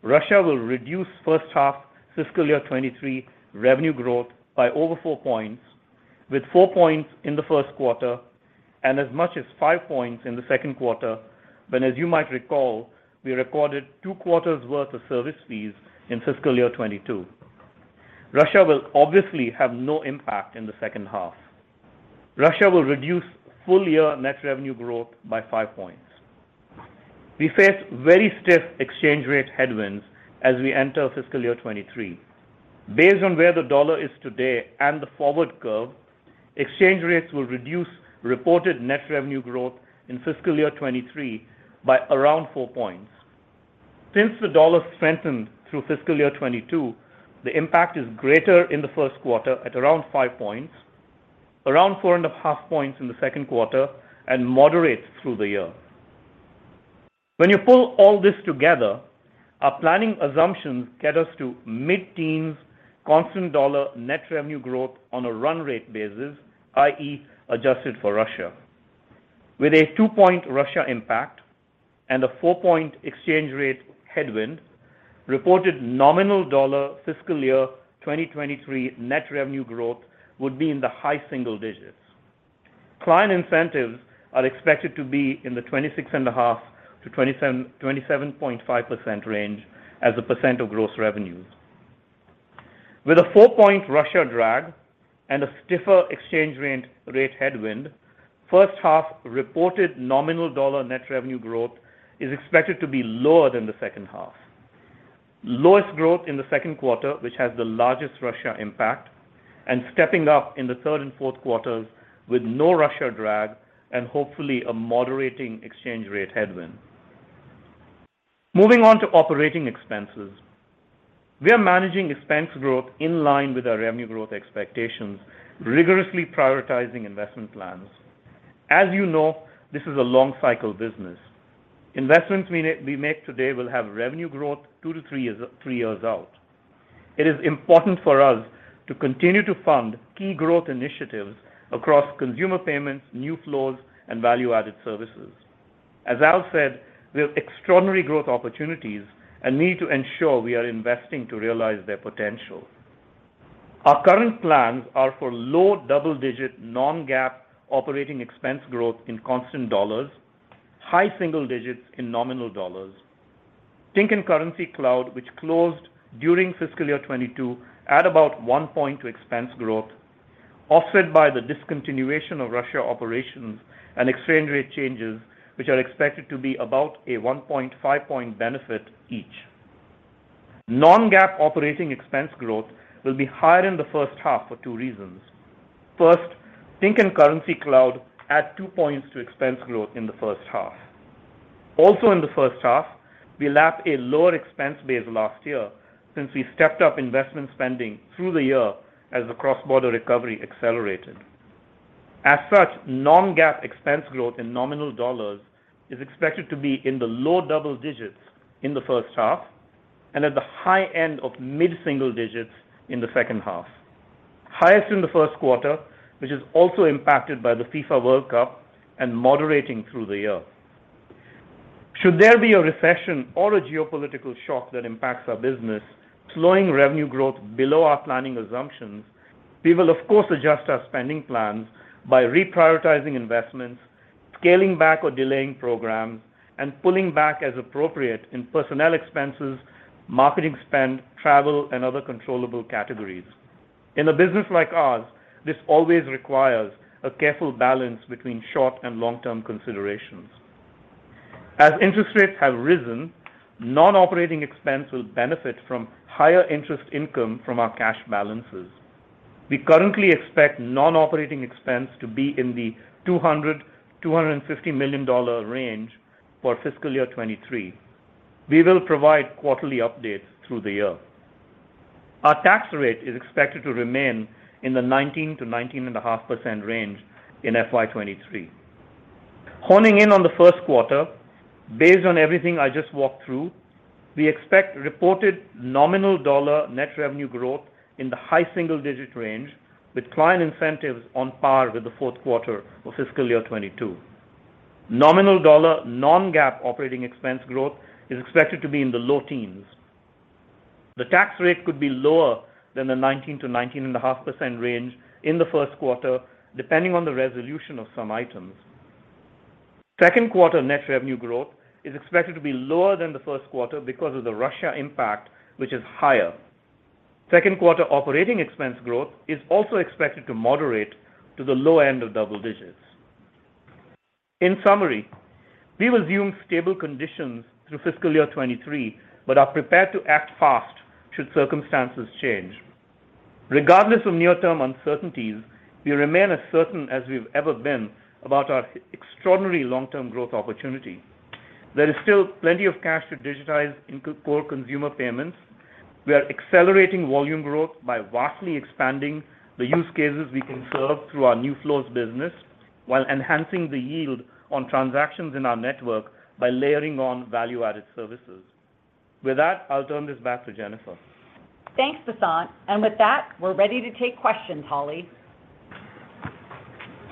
Russia will reduce first half fiscal year 2023 revenue growth by over 4%, with 4% in the first quarter and as much as 5% in the second quarter, when, as you might recall, we recorded two quarters' worth of service fees in fiscal year 2022. Russia will obviously have no impact in the second half. Russia will reduce full-year net revenue growth by 5%. We face very stiff exchange rate headwinds as we enter fiscal year 2023. Based on where the dollar is today and the forward curve, exchange rates will reduce reported net revenue growth in fiscal year 2023 by around 4%. Since the dollar strengthened through fiscal year 2022, the impact is greater in the first quarter at around 5%, around 4.5% in the second quarter and moderates through the year. When you pull all this together, our planning assumptions get us to mid-teens constant dollar net revenue growth on a run rate basis, i.e., adjusted for Russia. With a 2-point Russia impact and a 4-point exchange rate headwind, reported nominal dollar fiscal year 2023 net revenue growth would be in the high single digits. Client incentives are expected to be in the 26.5%-27.5% range as a percent of gross revenues. With a 4-point Russia drag and a stiffer exchange rate headwind, first half reported nominal dollar net revenue growth is expected to be lower than the second half. Lowest growth in the second quarter, which has the largest Russia impact and stepping up in the third and fourth quarters with no Russia drag and hopefully a moderating exchange rate headwind. Moving on to operating expenses. We are managing expense growth in line with our revenue growth expectations, rigorously prioritizing investment plans. As you know, this is a long cycle business. Investments we make today will have revenue growth two to three years, three years out. It is important for us to continue to fund key growth initiatives across consumer payments, new flows and value-added services. As Al said, we have extraordinary growth opportunities and need to ensure we are investing to realize their potential. Our current plans are for low double-digit non-GAAP operating expense growth in constant dollars, high single digits in nominal dollars. Tink and Currencycloud, which closed during fiscal year 2022 at about 1% to expense growth, offset by the discontinuation of Russia operations and exchange rate changes, which are expected to be about a 1.5% benefit each. Non-GAAP operating expense growth will be higher in the first half for two reasons. First, Tink and Currencycloud add two points to expense growth in the first half. Also in the first half, we lap a lower expense base last year since we stepped up investment spending through the year as the cross-border recovery accelerated. As such, non-GAAP expense growth in nominal dollars is expected to be in the low double digits in the first half and at the high end of mid-single digits in the second half. Highest in the first quarter, which is also impacted by the FIFA World Cup and moderating through the year. Should there be a recession or a geopolitical shock that impacts our business, slowing revenue growth below our planning assumptions, we will of course adjust our spending plans by reprioritizing investments, scaling back or delaying programs and pulling back as appropriate in personnel expenses, marketing spend, travel and other controllable categories. In a business like ours, this always requires a careful balance between short and long-term considerations. As interest rates have risen, non-operating expense will benefit from higher interest income from our cash balances. We currently expect non-operating expense to be in the $200 million-$250 million range for fiscal year 2023. We will provide quarterly updates through the year. Our tax rate is expected to remain in the 19%-19.5% range in FY 2023. Honing in on the first quarter, based on everything I just walked through, we expect reported nominal dollar net revenue growth in the high single digit range, with client incentives on par with the fourth quarter of fiscal year 2022. Nominal dollar non-GAAP operating expense growth is expected to be in the low teens. The tax rate could be lower than the 19%-19.5% range in the first quarter, depending on the resolution of some items. Second quarter net revenue growth is expected to be lower than the first quarter because of the Russia impact, which is higher. Second quarter operating expense growth is also expected to moderate to the low end of double digits. In summary, we will assume stable conditions through fiscal year 2023 but are prepared to act fast should circumstances change. Regardless of near-term uncertainties, we remain as certain as we've ever been about our extraordinary long-term growth opportunity. There is still plenty of cash to digitize in core consumer payments. We are accelerating volume growth by vastly expanding the use cases we can serve through our New Flows business while enhancing the yield on transactions in our network by layering on value-added services. With that, I'll turn this back to Jennifer. Thanks, Vasant. With that, we're ready to take questions, Holly.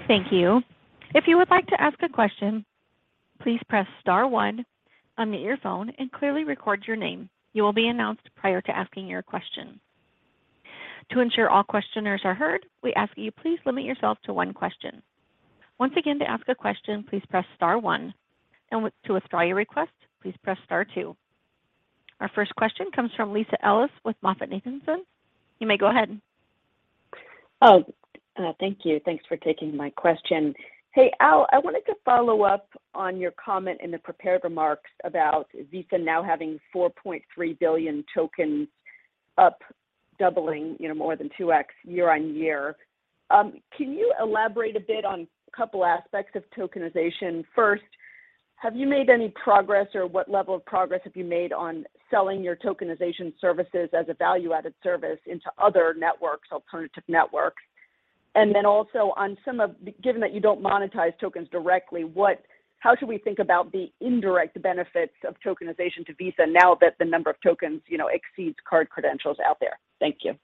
Thank you. If you would like to ask a question, please press star one, unmute your phone and clearly record your name. You will be announced prior to asking your question. To ensure all questioners are heard, we ask that you please limit yourself to one question. Once again, to ask a question, please press star one. To withdraw your request, please press star two. Our first question comes from Lisa Ellis with MoffettNathanson. You may go ahead. Thank you. Thanks for taking my question. Hey, Al, I wanted to follow up on your comment in the prepared remarks about Visa now having 4.3 billion tokens up doubling, you know, more than 2x year-on-year. Can you elaborate a bit on a couple aspects of tokenization? First, have you made any progress or what level of progress have you made on selling your tokenization services as a value-added service into other networks, alternative networks? Given that you don't monetize tokens directly, how should we think about the indirect benefits of tokenization to Visa now that the number of tokens, you know, exceeds card credentials out there? Thank you.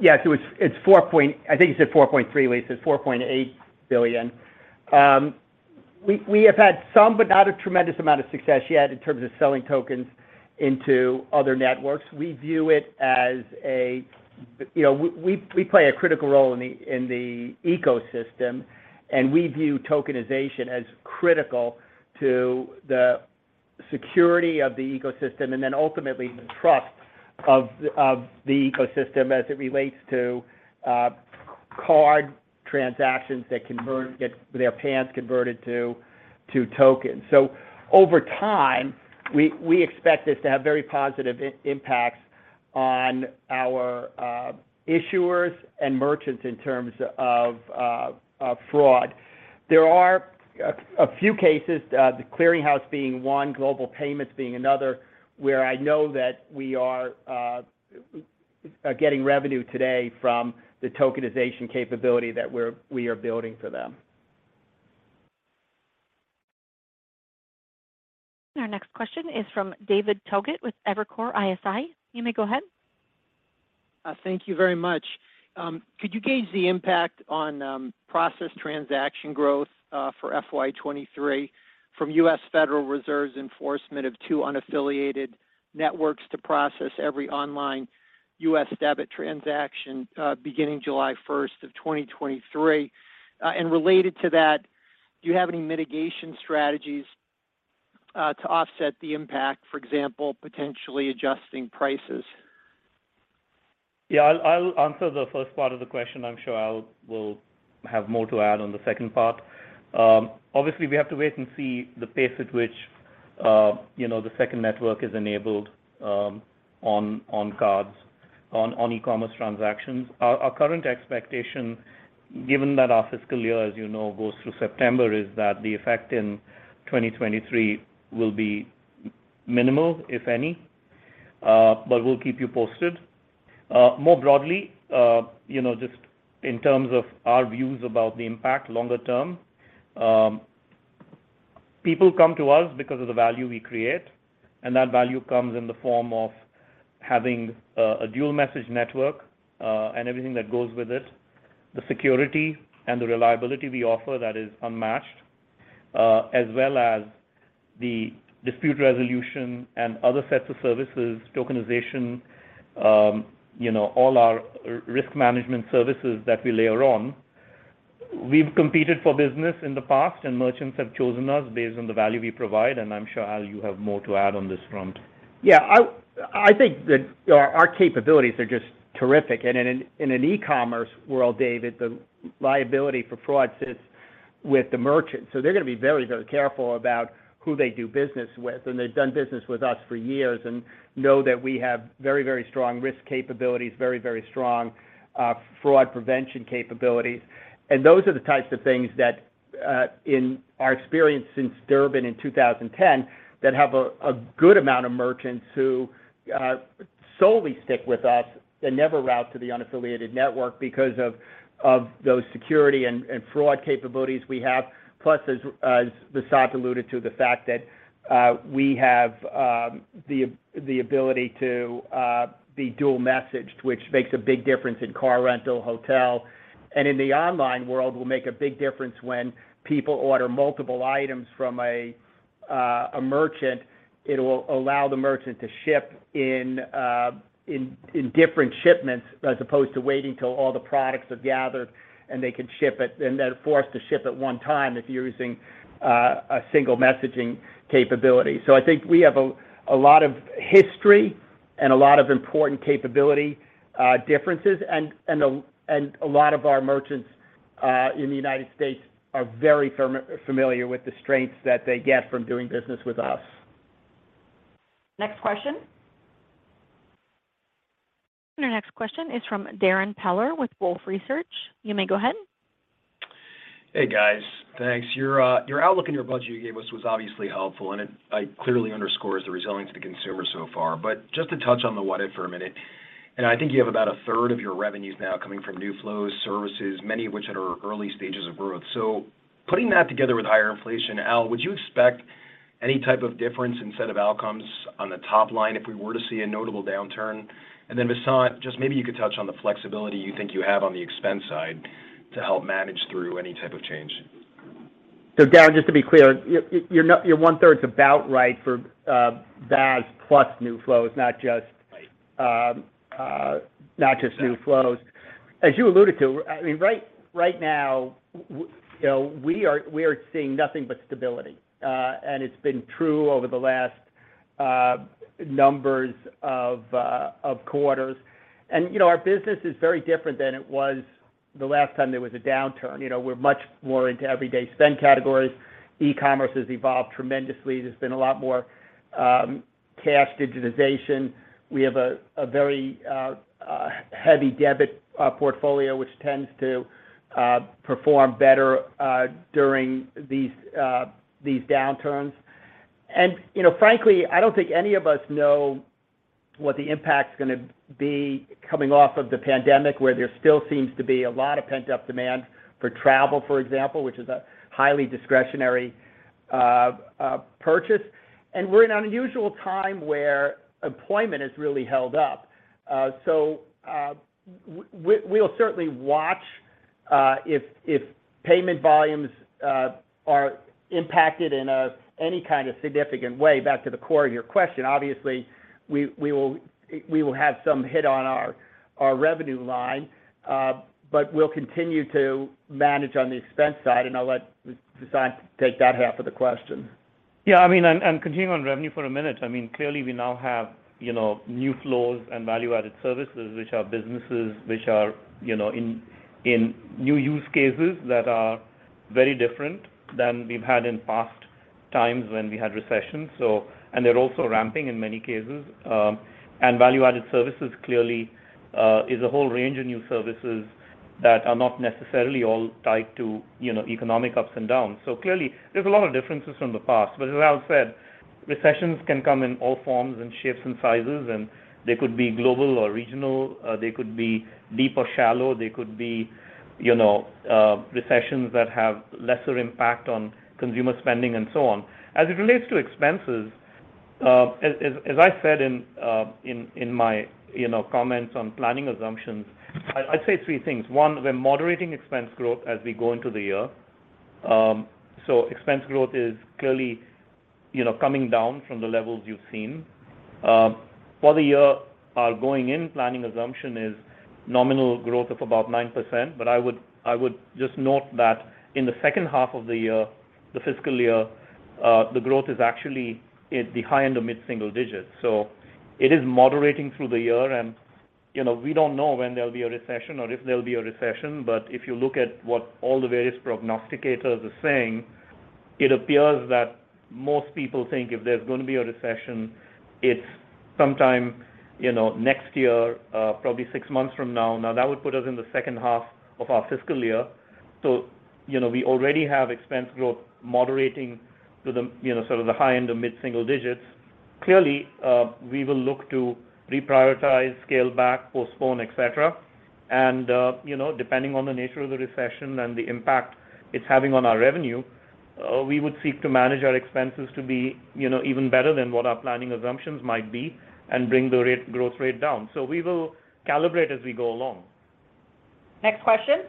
Yeah. It's 4.3, Lisa. It's $4.8 billion. We have had some but not a tremendous amount of success yet in terms of selling tokens into other networks. You know, we play a critical role in the ecosystem and we view tokenization as critical to the security of the ecosystem and then ultimately the trust of the ecosystem as it relates to card transactions that convert, get their payments converted to tokens. Over time, we expect this to have very positive impacts on our issuers and merchants in terms of fraud. There are a few cases, The Clearing House being one, Global Payments being another, where I know that we are getting revenue today from the tokenization capability that we are building for them. Our next question is from David Togut with Evercore ISI. You may go ahead. Could you gauge the impact on processed transaction growth for FY 2023 from Federal Reserve System's enforcement of two unaffiliated networks to process every online U.S. debit transaction, beginning 1 July 2023? Related to that, do you have any mitigation strategies to offset the impact, for example, potentially adjusting prices? Yeah, I'll answer the first part of the question. I'm sure Al will have more to add on the second part. Obviously, we have to wait and see the pace at which, you know, the second network is enabled, on cards, on e-commerce transactions. Our current expectation, given that our fiscal year, as you know, goes through September, is that the effect in 2023 will be minimal, if any. We'll keep you posted. More broadly, you know, just in terms of our views about the impact longer term, people come to us because of the value we create and that value comes in the form of having a dual message network and everything that goes with it. The security and the reliability we offer that is unmatched, as well as the dispute resolution and other sets of services, tokenization, you know, all our risk management services that we layer on. We've competed for business in the past and merchants have chosen us based on the value we provide and I'm sure, Al, you have more to add on this front. Yeah, I think that our capabilities are just terrific. In an e-commerce world, David, the liability for fraud sits with the merchant. They're gonna be very, very careful about who they do business with. They've done business with us for years and know that we have very, very strong risk capabilities, very, very strong fraud prevention capabilities. Those are the types of things that in our experience since Durbin in 2010, that have a good amount of merchants who solely stick with us and never route to the unaffiliated network because of those security and fraud capabilities we have. Plus, as Vasant alluded to the fact that we have the ability to be dual messaged, which makes a big difference in car rental, hotel. In the online world, will make a big difference when people order multiple items from a merchant. It will allow the merchant to ship in different shipments as opposed to waiting till all the products have gathered and they can ship it and they're forced to ship at one time if you're using a single messaging capability. I think we have a lot of history and a lot of important capability differences and a lot of our merchants in the United States are very familiar with the strengths that they get from doing business with us. Next question. Our next question is from Darrin Peller with Wolfe Research. You may go ahead. Hey, guys. Thanks. Your outlook and your budget you gave us was obviously helpful and it clearly underscores the resilience of the consumer so far. Just to touch on the what if for a minute, I think you have about a third of your revenues now coming from new flows, services, many of which that are early stages of growth. Putting that together with higher inflation, Al, would you expect any type of difference in set of outcomes on the top line if we were to see a notable downturn? Then Vasant, just maybe you could touch on the flexibility you think you have on the expense side to help manage through any type of change. Darrin, just to be clear, your one-third's about right for VAS plus new flows, not just new flows. As you alluded to, I mean, right now, we, you know, we are seeing nothing but stability. It's been true over the last numbers of quarters. You know, our business is very different than it was the last time there was a downturn. You know, we're much more into everyday spend categories. E-commerce has evolved tremendously. There's been a lot more cash digitization. We have a very heavy debit portfolio, which tends to perform better during these downturns. You know, frankly, I don't think any of us know what the impact's gonna be coming off of the pandemic, where there still seems to be a lot of pent-up demand for travel, for example, which is a highly discretionary purchase. We're in an unusual time where employment has really held up. We'll certainly watch if payment volumes are impacted in any kind of significant way back to the core of your question. Obviously, we will have some hit on our revenue line. We'll continue to manage on the expense side and I'll let Vasant take that half of the question. I mean, continuing on revenue for a minute, I mean, clearly we now have, you know, new flows and value-added services, which are businesses, you know, in new use cases that are very different than we've had in past times when we had recessions. They're also ramping in many cases. Value-added services clearly is a whole range of new services that are not necessarily all tied to, you know, economic ups and downs. Clearly, there's a lot of differences from the past. But as Al said, recessions can come in all forms and shapes and sizes and they could be global or regional, they could be deep or shallow, they could be, you know, recessions that have lesser impact on consumer spending and so on. As it relates to expenses, as I said in my you know comments on planning assumptions, I'd say three things. One, we're moderating expense growth as we go into the year. Expense growth is clearly you know coming down from the levels you've seen. For the year, our going-in planning assumption is nominal growth of about 9% but I would just note that in the second half of the year, the fiscal year, the growth is actually in the high-end to mid-single digits. It is moderating through the year and, you know, we don't know when there'll be a recession or if there'll be a recession but if you look at what all the various prognosticators are saying. It appears that most people think if there's gonna be a recession, it's sometime, you know, next year, probably six months from now. Now, that would put us in the second half of our fiscal year, so, you know, we already have expense growth moderating to the, you know, sort of the high-end to mid-single digits. Clearly, we will look to reprioritize, scale back, postpone, et cetera. You know, depending on the nature of the recession and the impact it's having on our revenue, we would seek to manage our expenses to be, you know, even better than what our planning assumptions might be and bring the growth rate down. We will calibrate as we go along. Next question.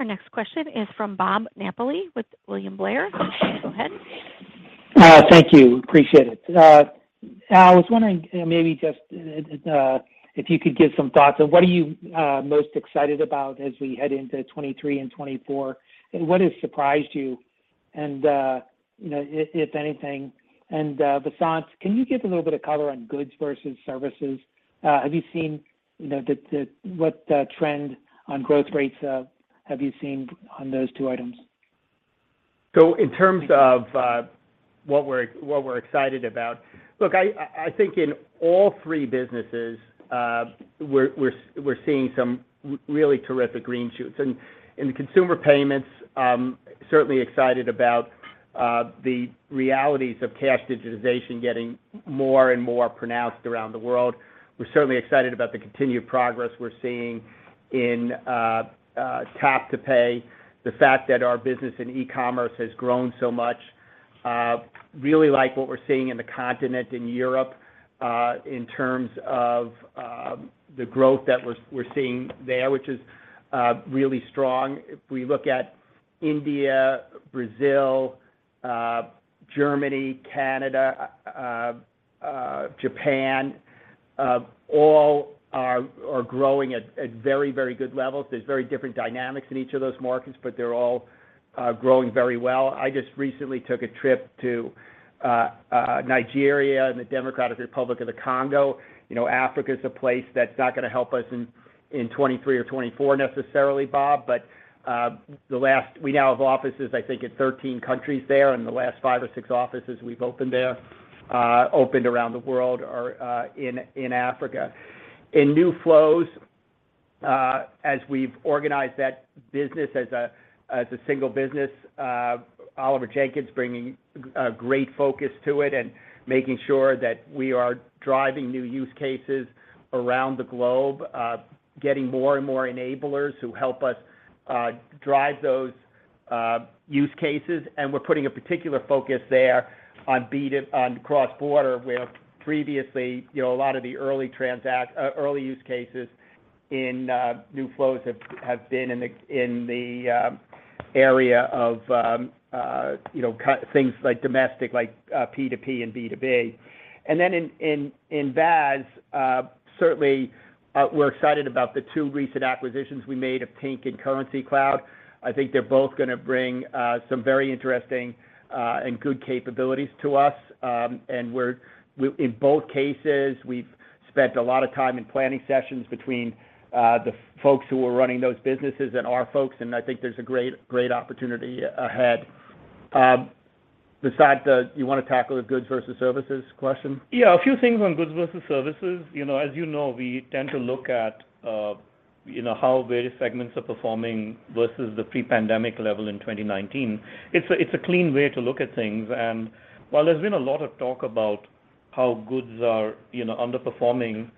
Our next question is from Bob Napoli with William Blair. Go ahead. Thank you. Appreciate it. I was wondering maybe just if you could give some thoughts on what are you most excited about as we head into 2023 and 2024 and what has surprised you and you know if anything? Vasant, can you give a little bit of color on goods versus services? Have you seen you know the what trend on growth rates have you seen on those two items? In terms of what we're excited about, look, I think in all three businesses, we're seeing some really terrific green shoots. In consumer payments, certainly excited about the realities of cash digitization getting more and more pronounced around the world. We're certainly excited about the continued progress we're seeing in tap-to-pay. The fact that our business in e-commerce has grown so much. Really like what we're seeing in the continent in Europe in terms of the growth that we're seeing there, which is really strong. If we look at India, Brazil, Germany, Canada, Japan, all are growing at very good levels. There's very different dynamics in each of those markets but they're all growing very well. I just recently took a trip to Nigeria and the Democratic Republic of the Congo. You know, Africa is a place that's not gonna help us in 2023 or 2024 necessarily, Bob but we now have offices, I think, in 13 countries there and the last five or six offices we've opened there, opened around the world are in Africa. In New Flows, as we've organized that business as a single business, Oliver Jenkyn bringing a great focus to it and making sure that we are driving new use cases around the globe, getting more and more enablers who help us drive those use cases and we're putting a particular focus there on cross-border. Where previously, you know, a lot of the early use cases in new flows have been in the area of things like domestic, like P2P and B2B. Then in VAS, certainly, we're excited about the two recent acquisitions we made of Tink and Currencycloud. I think they're both gonna bring some very interesting and good capabilities to us. In both cases, we've spent a lot of time in planning sessions between the folks who are running those businesses and our folks and I think there's a great opportunity ahead. Vasant, you wanna tackle the goods versus services question? Yeah. A few things on goods versus services. You know, as you know, we tend to look at, you know, how various segments are performing versus the pre-pandemic level in 2019. It's a clean way to look at things. While there's been a lot of talk about how goods are, you know, underperforming,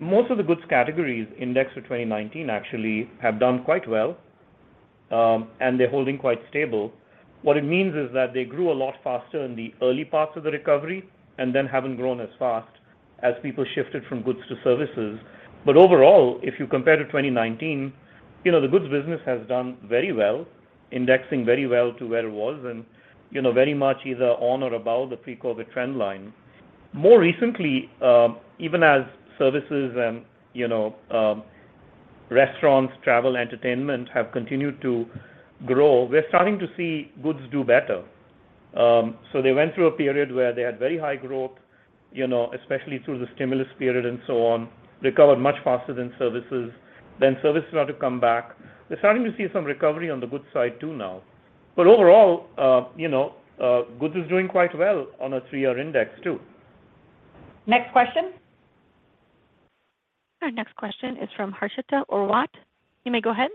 most of the goods categories indexed for 2019 actually have done quite well and they're holding quite stable. What it means is that they grew a lot faster in the early parts of the recovery and then haven't grown as fast as people shifted from goods to services. Overall, if you compare to 2019, you know, the goods business has done very well, indexing very well to where it was and, you know, very much either on or above the pre-COVID trend line. More recently, even as services and, you know, restaurants, travel, entertainment have continued to grow, we're starting to see goods do better. They went through a period where they had very high growth, you know, especially through the stimulus period and so on, recovered much faster than services, then services started to come back. We're starting to see some recovery on the goods side too now. Overall, you know, goods is doing quite well on a three-year index too. Next question. Our next question is from Harshita Rawat. You may go ahead.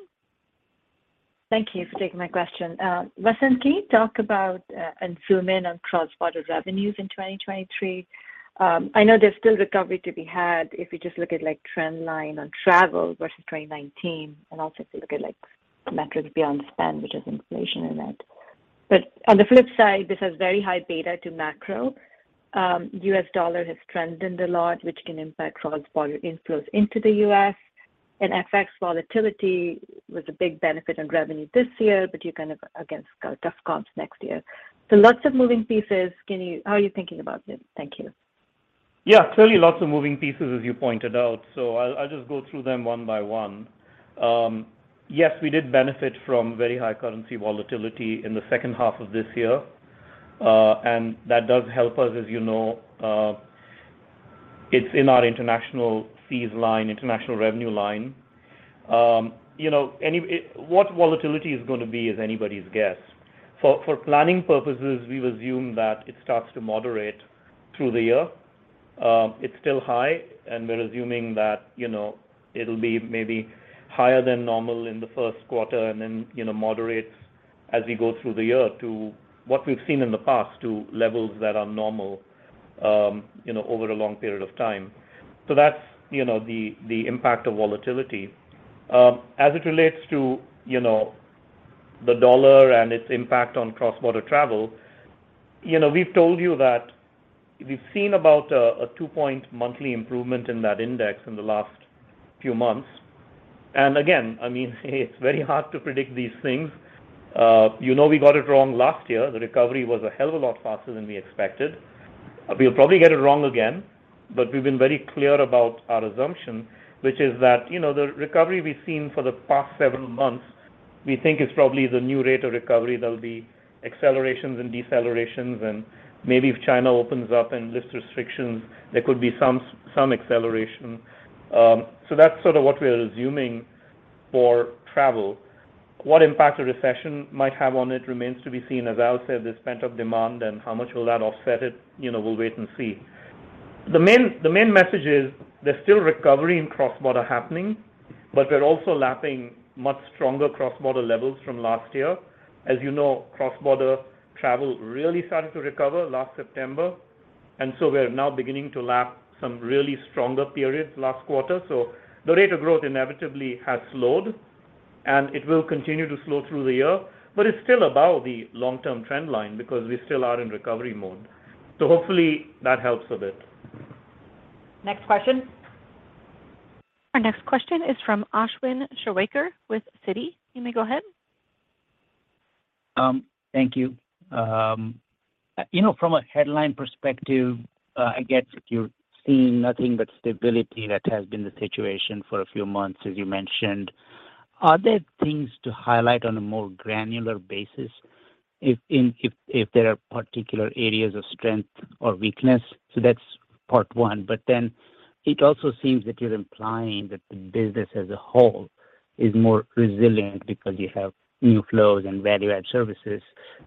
Thank you for taking my question. Vasant, can you talk about and zoom in on cross-border revenues in 2023? I know there's still recovery to be had if you just look at like trend line on travel versus 2019 and also if you look at like metrics beyond spend, which has inflation in it. On the flip side, this has very high beta to macro. U.S. dollar has strengthened a lot, which can impact cross-border inflows into the U.S. and FX volatility was a big benefit on revenue this year but you're kind of against tough comps next year. Lots of moving pieces. How are you thinking about it? Thank you. Yeah. Clearly lots of moving pieces, as you pointed out, so I'll just go through them one by one. Yes, we did benefit from very high currency volatility in the second half of this year. That does help us, as you know. It's in our international fees line, international revenue line. You know, what volatility is gonna be is anybody's guess. For planning purposes, we've assumed that it starts to moderate through the year. It's still high and we're assuming that, you know, it'll be maybe higher than normal in the first quarter and then, you know, moderate as we go through the year to what we've seen in the past to levels that are normal, you know, over a long period of time. That's, you know, the impact of volatility. As it relates to, you know, the dollar and its impact on cross-border travel. You know, we've told you that we've seen about a 2-point monthly improvement in that index in the last few months. Again, I mean, it's very hard to predict these things. You know, we got it wrong last year. The recovery was a hell of a lot faster than we expected. We'll probably get it wrong again but we've been very clear about our assumption, which is that, you know, the recovery we've seen for the past several months we think is probably the new rate of recovery. There'll be accelerations and decelerations and maybe if China opens up and lifts restrictions, there could be some acceleration. That's sort of what we're assuming for travel. What impact a recession might have on it remains to be seen. As Al said, there's pent-up demand and how much will that offset it? You know, we'll wait and see. The main message is there's still recovery in cross-border happening but we're also lapping much stronger cross-border levels from last year. As you know, cross-border travel really started to recover last September and so we're now beginning to lap some really stronger periods last quarter. The rate of growth inevitably has slowed and it will continue to slow through the year. It's still above the long-term trend line because we still are in recovery mode. Hopefully that helps a bit. Next question. Our next question is from Ashwin Shirvaikar with Citi. You may go ahead. Thank you. You know, from a headline perspective, I get you're seeing nothing but stability. That has been the situation for a few months, as you mentioned. Are there things to highlight on a more granular basis if there are particular areas of strength or weakness? That's part one. Then it also seems that you're implying that the business as a whole is more resilient because you have new flows and value-add services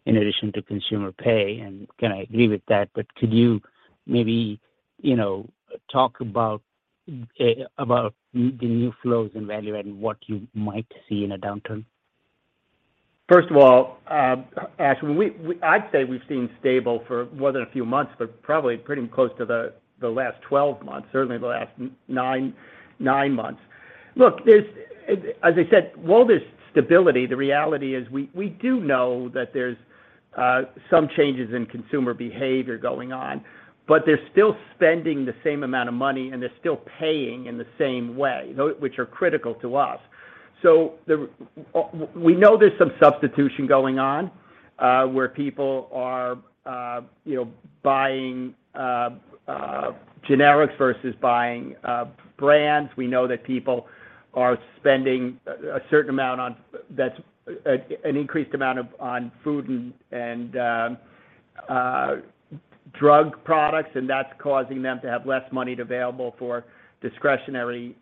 in addition to consumer pay. Again, I agree with that but could you maybe, you know, talk about the new flows in value-add and what you might see in a downturn? First of all, Ashwin, I'd say we've seen stability for more than a few months but probably pretty close to the last 12 months, certainly the last nine months. Look, As I said, while there's stability, the reality is we do know that there's some changes in consumer behavior going on but they're still spending the same amount of money and they're still paying in the same way, those which are critical to us. We know there's some substitution going on, where people are you know, buying generics versus buying brands. We know that people are spending a certain amount on that's an increased amount of on food and drug products and that's causing them to have less money available for discretionary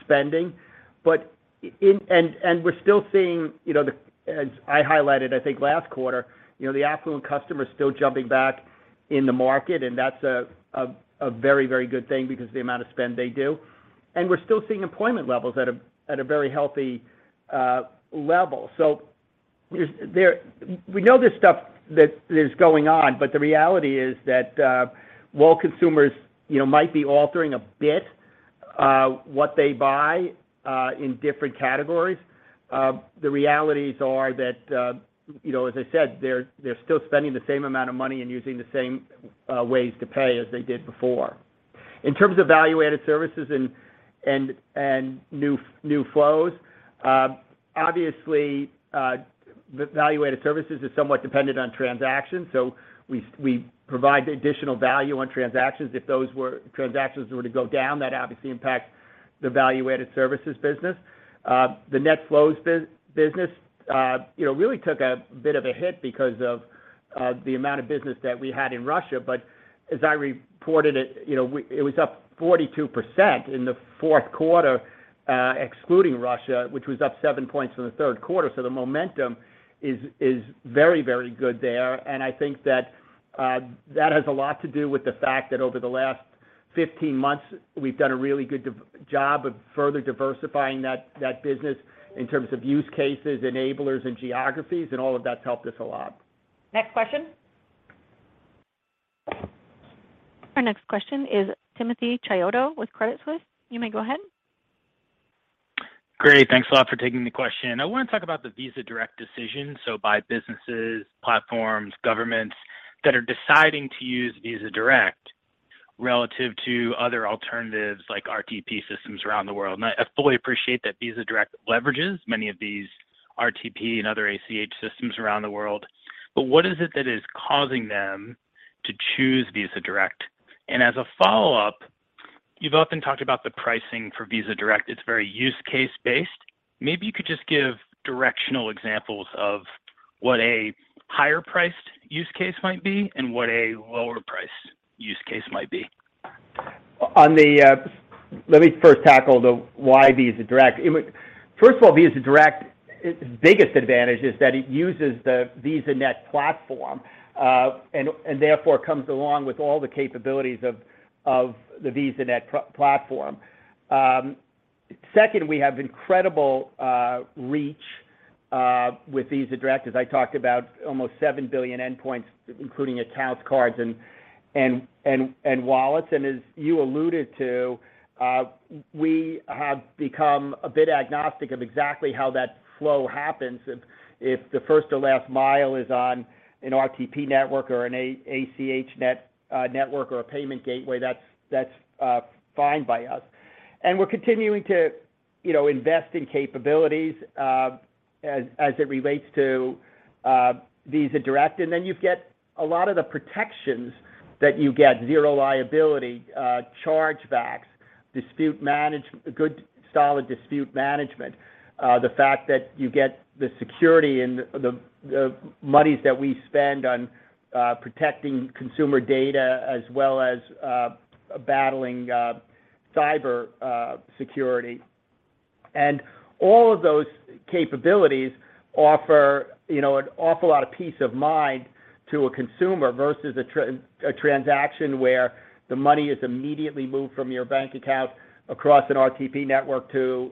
spending. We're still seeing, you know, as I highlighted, I think last quarter, you know, the affluent customer is still jumping back in the market and that's a very good thing because of the amount of spend they do. We're still seeing employment levels at a very healthy level. There's stuff that is going on but the reality is that while consumers, you know, might be altering a bit what they buy in different categories, the realities are that you know, as I said, they're still spending the same amount of money and using the same ways to pay as they did before. In terms of value-added services and new flows, obviously value-added services is somewhat dependent on transactions. We provide additional value on transactions. If those transactions were to go down, that obviously impacts the value-added services business. The New Flows business really took a bit of a hit because of the amount of business that we had in Russia. As I reported it, you know, it was up 42% in the fourth quarter, excluding Russia, which was up seven points from the third quarter. The momentum is very, very good there. I think that has a lot to do with the fact that over the last 15 months, we've done a really good job of further diversifying that business in terms of use cases, enablers and geographies and all of that's helped us a lot. Next question. Our next question is Timothy Chiodo with Credit Suisse. You may go ahead. Great. Thanks a lot for taking the question. I wanna talk about the Visa Direct decision, so by businesses, platforms, governments that are deciding to use Visa Direct relative to other alternatives like RTP systems around the world. I fully appreciate that Visa Direct leverages many of these RTP and other ACH systems around the world. What is it that is causing them to choose Visa Direct? As a follow-up, you've often talked about the pricing for Visa Direct. It's very use case-based. Maybe you could just give directional examples of what a higher-priced use case might be and what a lower price use case might be. Let me first tackle the why Visa Direct. First of all, Visa Direct, its biggest advantage is that it uses the VisaNet platform and therefore comes along with all the capabilities of the VisaNet platform. Second, we have incredible reach with Visa Direct, as I talked about, almost 7 billion endpoints, including accounts, cards and wallets. As you alluded to, we have become a bit agnostic of exactly how that flow happens. If the first or last mile is on an RTP network or an ACH network or a payment gateway, that's fine by us. We're continuing to, you know, invest in capabilities, as it relates to Visa Direct. Then you get a lot of the protections that you get, zero liability, chargebacks, good, solid dispute management. The fact that you get the security and the monies that we spend on protecting consumer data as well as battling cyber security. All of those capabilities offer, you know, an awful lot of peace of mind to a consumer versus a transaction where the money is immediately moved from your bank account across an RTP network to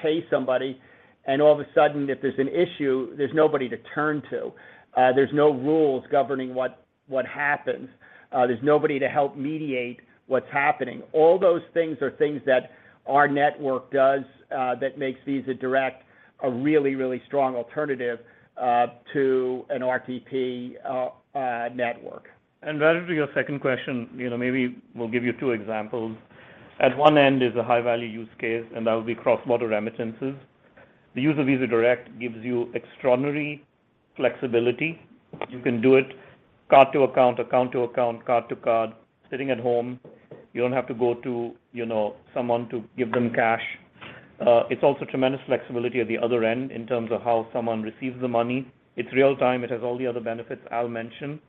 pay somebody. All of a sudden, if there's an issue, there's nobody to turn to. There's no rules governing what happens. There's nobody to help mediate what's happening. All those things are things that our network does that makes Visa Direct a really, really strong alternative to an RTP network. Relative to your second question, you know, maybe we'll give you two examples. At one end is a high-value use case and that would be cross-border remittances. The use of Visa Direct gives you extraordinary flexibility. You can do it card to account to account, card to card, sitting at home. You don't have to go to, you know, someone to give them cash. It's also tremendous flexibility at the other end in terms of how someone receives the money. It's real-time. It has all the other benefits Al mentioned.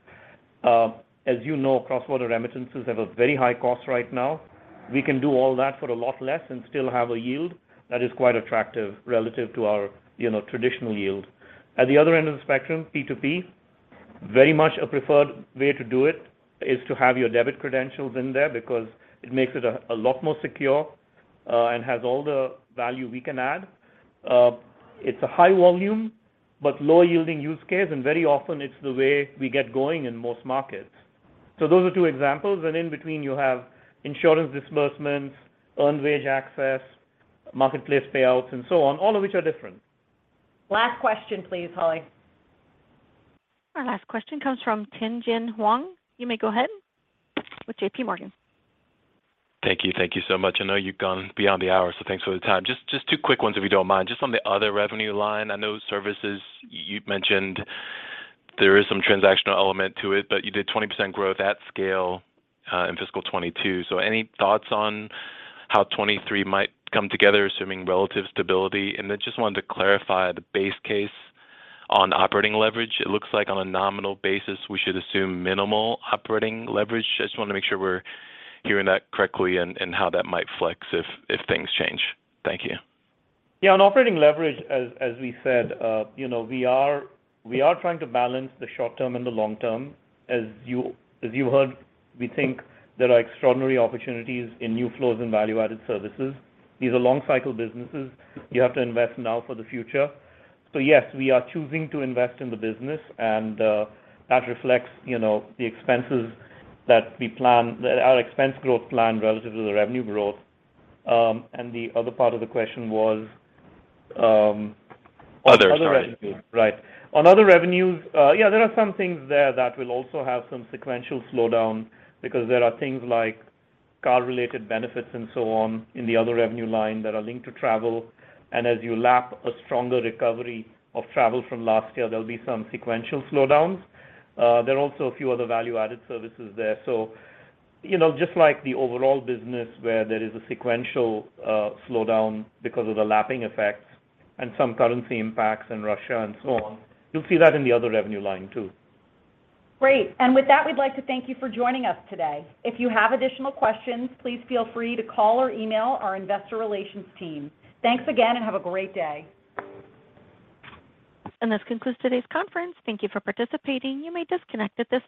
As you know, cross-border remittances have a very high cost right now. We can do all that for a lot less and still have a yield that is quite attractive relative to our, you know, traditional yield. At the other end of the spectrum, P2P, very much a preferred way to do it is to have your debit credentials in there because it makes it a lot more secure and has all the value we can add. It's a high volume but low yielding use case and very often it's the way we get going in most markets. Those are two examples. In between you have insurance disbursements, earned wage access, marketplace payouts and so on, all of which are different. Last question, please, Holly. Our last question comes from Tien-Tsin Huang. You may go ahead with JPMorgan. Thank you. Thank you so much. I know you've gone beyond the hour, so thanks for the time. Just two quick ones if you don't mind. Just on the other revenue line, I know services, you'd mentioned there is some transactional element to it but you did 20% growth at scale in fiscal 2022. Any thoughts on how 2023 might come together, assuming relative stability? Then just wanted to clarify the base case on operating leverage. It looks like on a nominal basis, we should assume minimal operating leverage. I just wanna make sure we're hearing that correctly and how that might flex if things change. Thank you. Yeah. On operating leverage, as we said, you know, we are trying to balance the short term and the long term. As you heard, we think there are extraordinary opportunities in new flows and value-added services. These are long cycle businesses. You have to invest now for the future. Yes, we are choosing to invest in the business and that reflects, you know, the expenses that we plan, our expense growth plan relative to the revenue growth. The other part of the question was other revenues. Right. On other revenues, there are some things there that will also have some sequential slowdown because there are things like car-related benefits and so on in the other revenue line that are linked to travel. As you lap a stronger recovery of travel from last year, there'll be some sequential slowdowns. There are also a few other value-added services there. You know, just like the overall business where there is a sequential slowdown because of the lapping effects and some currency impacts in Russia and so on, you'll see that in the other revenue line, too. Great. With that, we'd like to thank you for joining us today. If you have additional questions, please feel free to call or email our investor relations team. Thanks again and have a great day. This concludes today's conference. Thank you for participating. You may disconnect at this time.